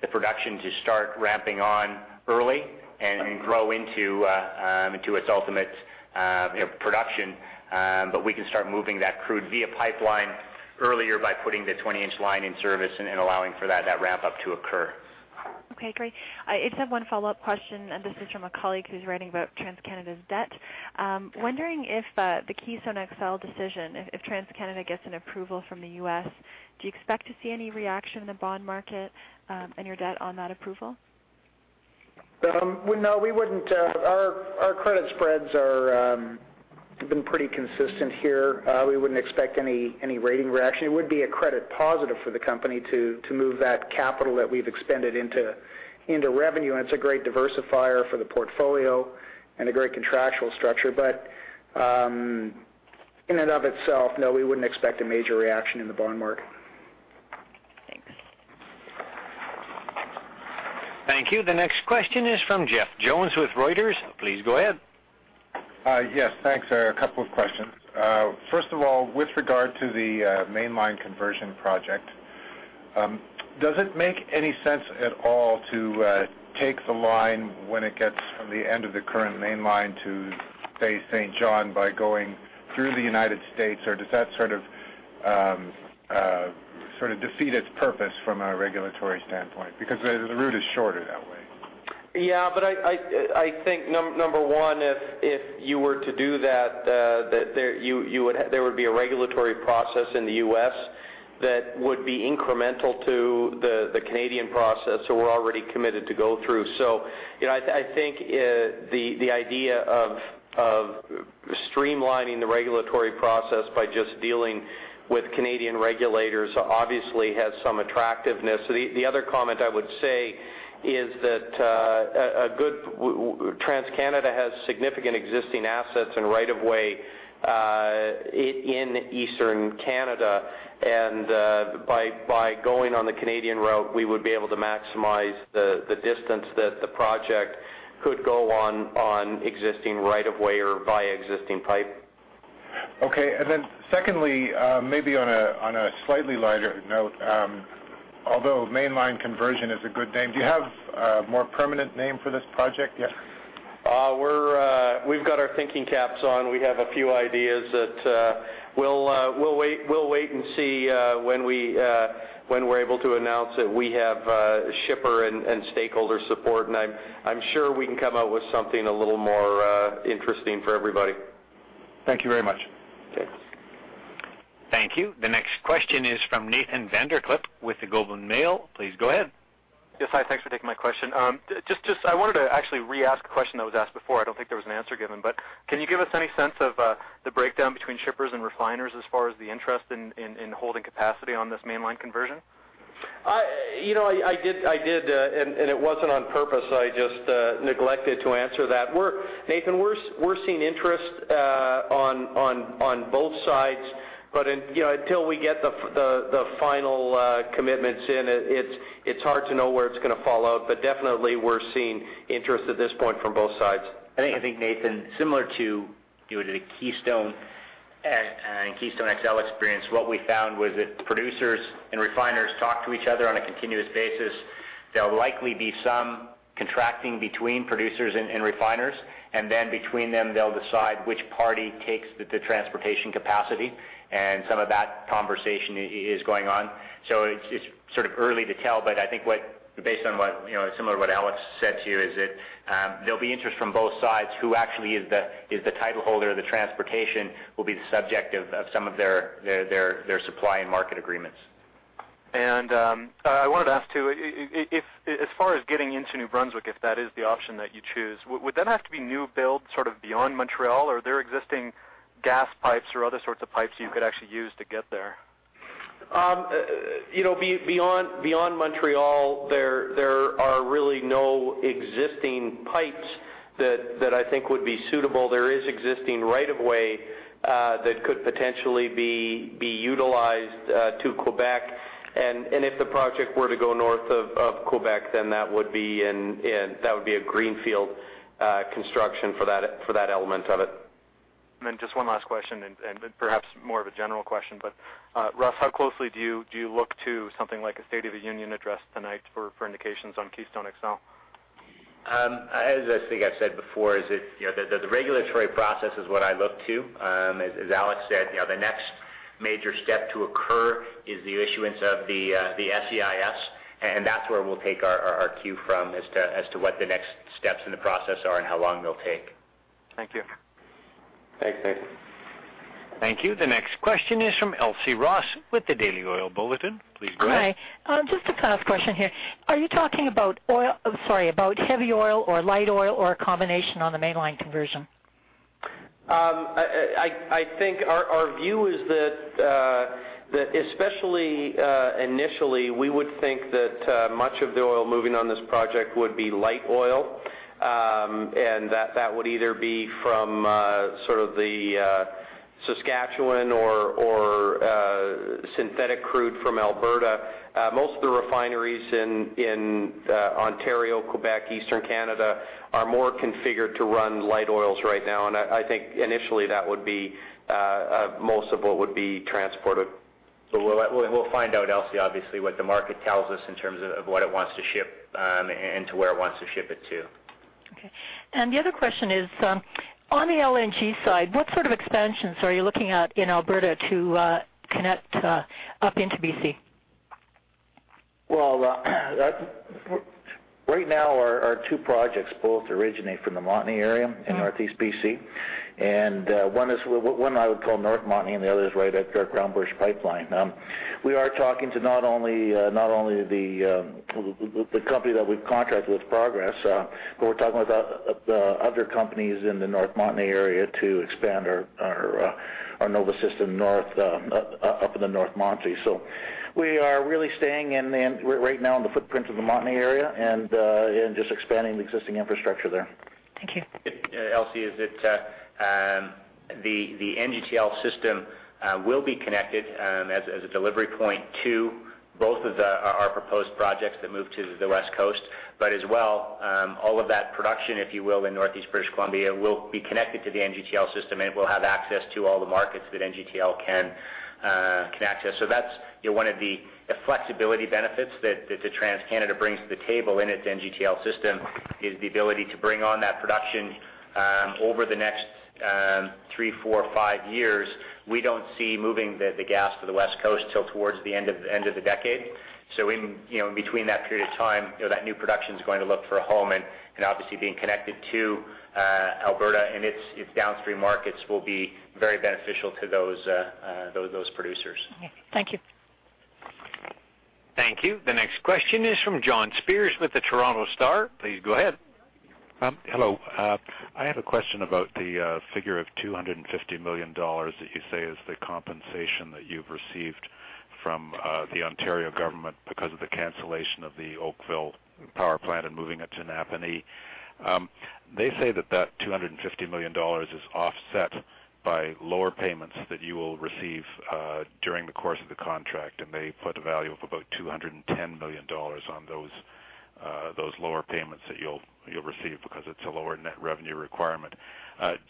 the production to start ramping on early and grow into its ultimate production. We can start moving that crude via pipeline earlier by putting the 20-inch line in service and allowing for that ramp-up to occur. Okay, great. I just have one follow-up question, and this is from a colleague who's writing about TransCanada's debt. Wondering if the Keystone XL decision, if TransCanada gets an approval from the U.S. do you expect to see any reaction in the bond market and your debt on that approval? No, we wouldn't. Our credit spreads have been pretty consistent here. We wouldn't expect any rating reaction. It would be a credit positive for the company to move that capital that we've expended into revenue, and it's a great diversifier for the portfolio and a great contractual structure. In and of itself, no, we wouldn't expect a major reaction in the bond market. Thanks. Thank you. The next question is from Jeff Jones with Reuters. Please go ahead. Yes, thanks. A couple of questions. First of all, with regard to the Mainline Conversion Project, does it make any sense at all to take the line when it gets from the end of the current Mainline to, say, Saint John by going through the United States, or does that sort of defeat its purpose from a regulatory standpoint? Because the route is shorter that way. I think, number one, if you were to do that, there would be a regulatory process in the U.S. that would be incremental to the Canadian process that we're already committed to go through. I think the idea of streamlining the regulatory process by just dealing with Canadian regulators obviously has some attractiveness. The other comment I would say is that TransCanada has significant existing assets and right of way in Eastern Canada, and by going on the Canadian route, we would be able to maximize the distance that the project could go on existing right of way or via existing pipe. Okay, and then secondly, maybe on a slightly lighter note, although Mainline Conversion is a good name, do you have a more permanent name for this project yet? We've got our thinking caps on. We have a few ideas that we'll wait and see when we're able to announce that we have shipper and stakeholder support, and I'm sure we can come out with something a little more interesting for everybody. Thank you very much. Thanks. Thank you. The next question is from Nathan VanderKlippe with The Globe and Mail. Please go ahead. Yes, hi. Thanks for taking my question. I wanted to actually re-ask a question that was asked before. I don't think there was an answer given, but can you give us any sense of the breakdown between shippers and refiners as far as the interest in holding capacity on this mainline conversion? I did, and it wasn't on purpose. I just neglected to answer that. Nathan, we're seeing interest on both sides, but until we get the final commitments in, it's hard to know where it's going to fall out. Definitely, we're seeing interest at this point from both sides. I think, Nathan, similar to the Keystone and Keystone XL experience, what we found was that producers and refiners talk to each other on a continuous basis. There'll likely be some contracting between producers and refiners, and then between them, they'll decide which party takes the transportation capacity, and some of that conversation is going on. It's early to tell, but I think based on what, similar to what Alex said to you, is that there'll be interest from both sides as to who actually is the title holder of the transportation, will be the subject of some of their supply and market agreements. I wanted to ask too, as far as getting into New Brunswick, if that is the option that you choose, would then have to be new build beyond Montreal? Or are there existing gas pipes or other sorts of pipes you could actually use to get there? Beyond Montreal, there are really no existing pipes that I think would be suitable. There is existing right of way, that could potentially be utilized, to Québec. If the project were to go north of Québec, then that would be a greenfield construction for that element of it. Just one last question and perhaps more of a general question, but, Russ, how closely do you look to something like a State of the Union Address tonight for indications on Keystone XL? As I think I've said before, the regulatory process is what I look to. As Alex said, the next major step to occur is the issuance of the SEIS, and that's where we'll take our cue from as to what the next steps in the process are and how long they'll take. Thank you. Thanks, Nathan. Thank you. The next question is from Elsie Ross with the Daily Oil Bulletin. Please go ahead. Hi. Just a quick question here. Are you talking about oil sorry about heavy oil or light oil or a combination on the mainline conversion? I think our view is that especially, initially, we would think that much of the oil moving on this project would be light oil, and that would either be from sort of the Saskatchewan or synthetic crude from Alberta. Most of the refineries in Ontario, Québec, Eastern Canada, are more configured to run light oils right now, and I think initially that would be most of what would be transported. We'll find out, Elsie, obviously, what the market tells us in terms of what it wants to ship, and to where it wants to ship it to. Okay. The other question is, on the LNG side, what sort of expansions are you looking at in Alberta to connect up into BC? Well, right now our two projects both originate from the Montney area in Northeast BC, and one I would call North Montney, and the other is right at our Groundbirch pipeline. We are talking to not only the company that we've contracted with, Progress, but we're talking with other companies in the North Montney area to expand our NOVA system north, up in the North Montney. We are really staying right now in the footprint of the Montney area and just expanding the existing infrastructure there. Thank you. Elsie, it is the NGTL System will be connected, as a delivery point to both of our proposed projects that move to the West Coast, but as well, all of that production, if you will, in Northeast British Columbia, will be connected to the NGTL System, and it will have access to all the markets that NGTL can access. That's one of the flexibility benefits that the TransCanada brings to the table in its NGTL System is the ability to bring on that production. Over the next three, four, five years, we don't see moving the gas to the West Coast till toward the end of the decade. Between that period of time, that new production's going to look for a home and obviously being connected to Alberta and its downstream markets will be very beneficial to those producers. Okay. Thank you. Thank you. The next question is from John Spears with the Toronto Star. Please go ahead. Hello. I have a question about the figure of 250 million dollars that you say is the compensation that you've received from the Ontario government because of the cancellation of the Oakville power plant and moving it to Napanee. They say that 250 million dollars is offset by lower payments that you will receive during the course of the contract, and they put a value of about 210 million dollars on those lower payments that you'll receive because it's a lower net revenue requirement.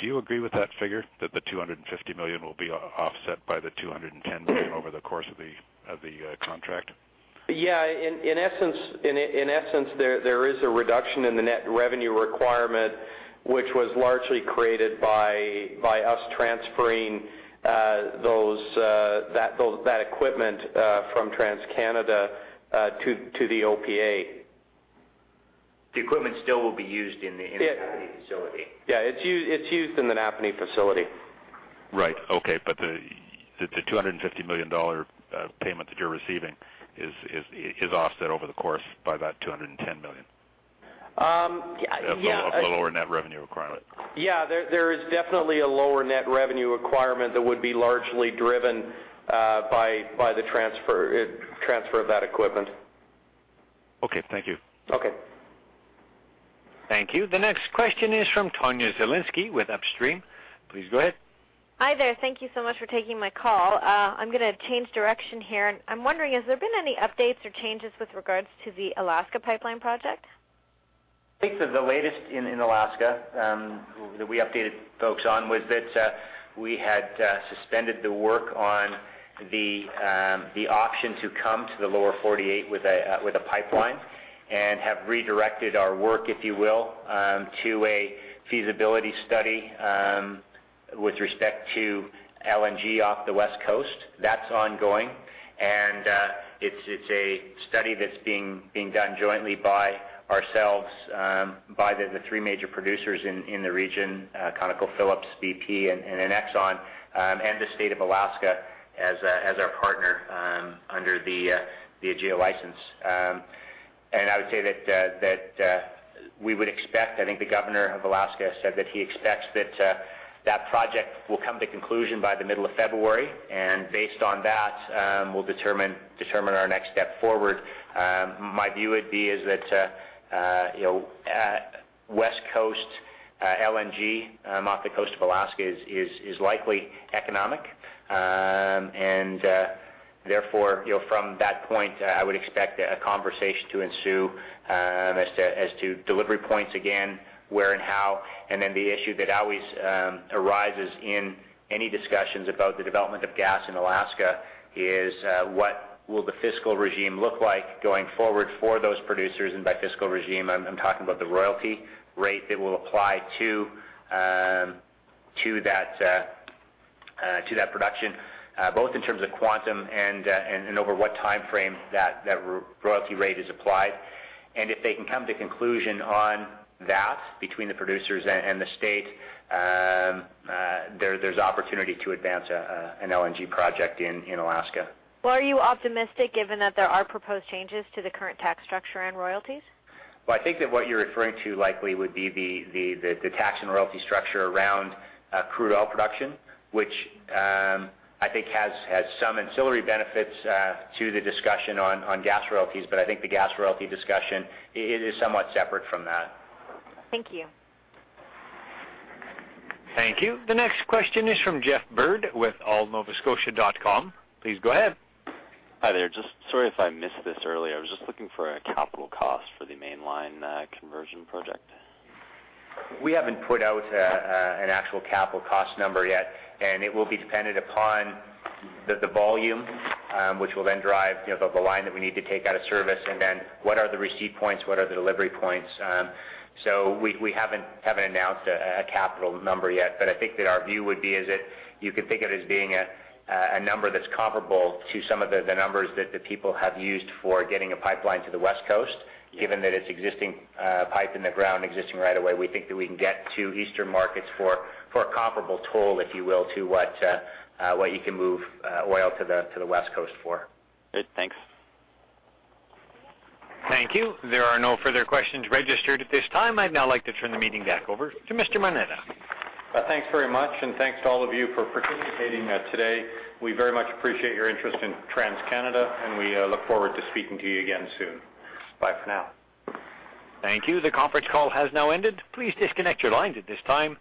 Do you agree with that figure, that the 250 million will be offset by the 210 million over the course of the contract? Yeah, in essence, there is a reduction in the net revenue requirement, which was largely created by us transferring that equipment from TransCanada to the OPA. The equipment still will be used in the Napanee facility. Yeah, it's used in the Napanee facility. Right. Okay. The 250 million dollar payment that you're receiving is offset over the course by that 210 million. Yeah. Of the lower net revenue requirement. Yeah, there is definitely a lower net revenue requirement that would be largely driven by the transfer of that equipment. Okay. Thank you. Okay. Thank you. The next question is from Tonya Zielinski with Upstream. Please go ahead. Hi, there. Thank you so much for taking my call. I'm gonna change direction here, and I'm wondering, has there been any updates or changes with regards to the Alaska Pipeline project? I think that the latest in Alaska, that we updated folks on, was that we had suspended the work on the option to come to the Lower 48 with a pipeline, and have redirected our work, if you will, to a feasibility study with respect to LNG off the West Coast. That's ongoing. It's a study that's being done jointly by ourselves, by the three major producers in the region, ConocoPhillips, BP, and Exxon, and the state of Alaska as our partner under the AGIA license. I would say that we would expect, I think the governor of Alaska said that he expects that project will come to conclusion by the middle of February. Based on that, we'll determine our next step forward. My view would be is that West Coast LNG off the coast of Alaska is likely economic. Therefore, from that point, I would expect a conversation to ensue as to delivery points again, where and how. Then the issue that always arises in any discussions about the development of gas in Alaska is, what will the fiscal regime look like going forward for those producers? By fiscal regime, I'm talking about the royalty rate that will apply to that production, both in terms of quantum and over what timeframe that royalty rate is applied. If they can come to conclusion on that between the producers and the state, there's opportunity to advance an LNG project in Alaska. Well, are you optimistic given that there are proposed changes to the current tax structure and royalties? Well, I think that what you're referring to likely would be the tax and royalty structure around crude oil production, which I think has some ancillary benefits to the discussion on gas royalties. I think the gas royalty discussion is somewhat separate from that. Thank you. Thank you. The next question is from Geoff Bird with allNovaScotia.com. Please go ahead. Hi there. Sorry if I missed this earlier. I was just looking for a capital cost for the mainline conversion project. We haven't put out an actual capital cost number yet, and it will be dependent upon the volume which will then drive the line that we need to take out of service. Then what are the receipt points? What are the delivery points? We haven't announced a capital number yet, but I think that our view would be is that you could think of it as being a number that's comparable to some of the numbers that the people have used for getting a pipeline to the West Coast. Given that it's existing pipe in the ground, existing right of way, we think that we can get to eastern markets for a comparable toll, if you will, to what you can move oil to the West Coast for. Great. Thanks. Thank you. There are no further questions registered at this time. I'd now like to turn the meeting back over to Mr. Moneta. Thanks very much, and thanks to all of you for participating today. We very much appreciate your interest in TransCanada, and we look forward to speaking to you again soon. Bye for now. Thank you. The conference call has now ended. Please disconnect your lines at this time.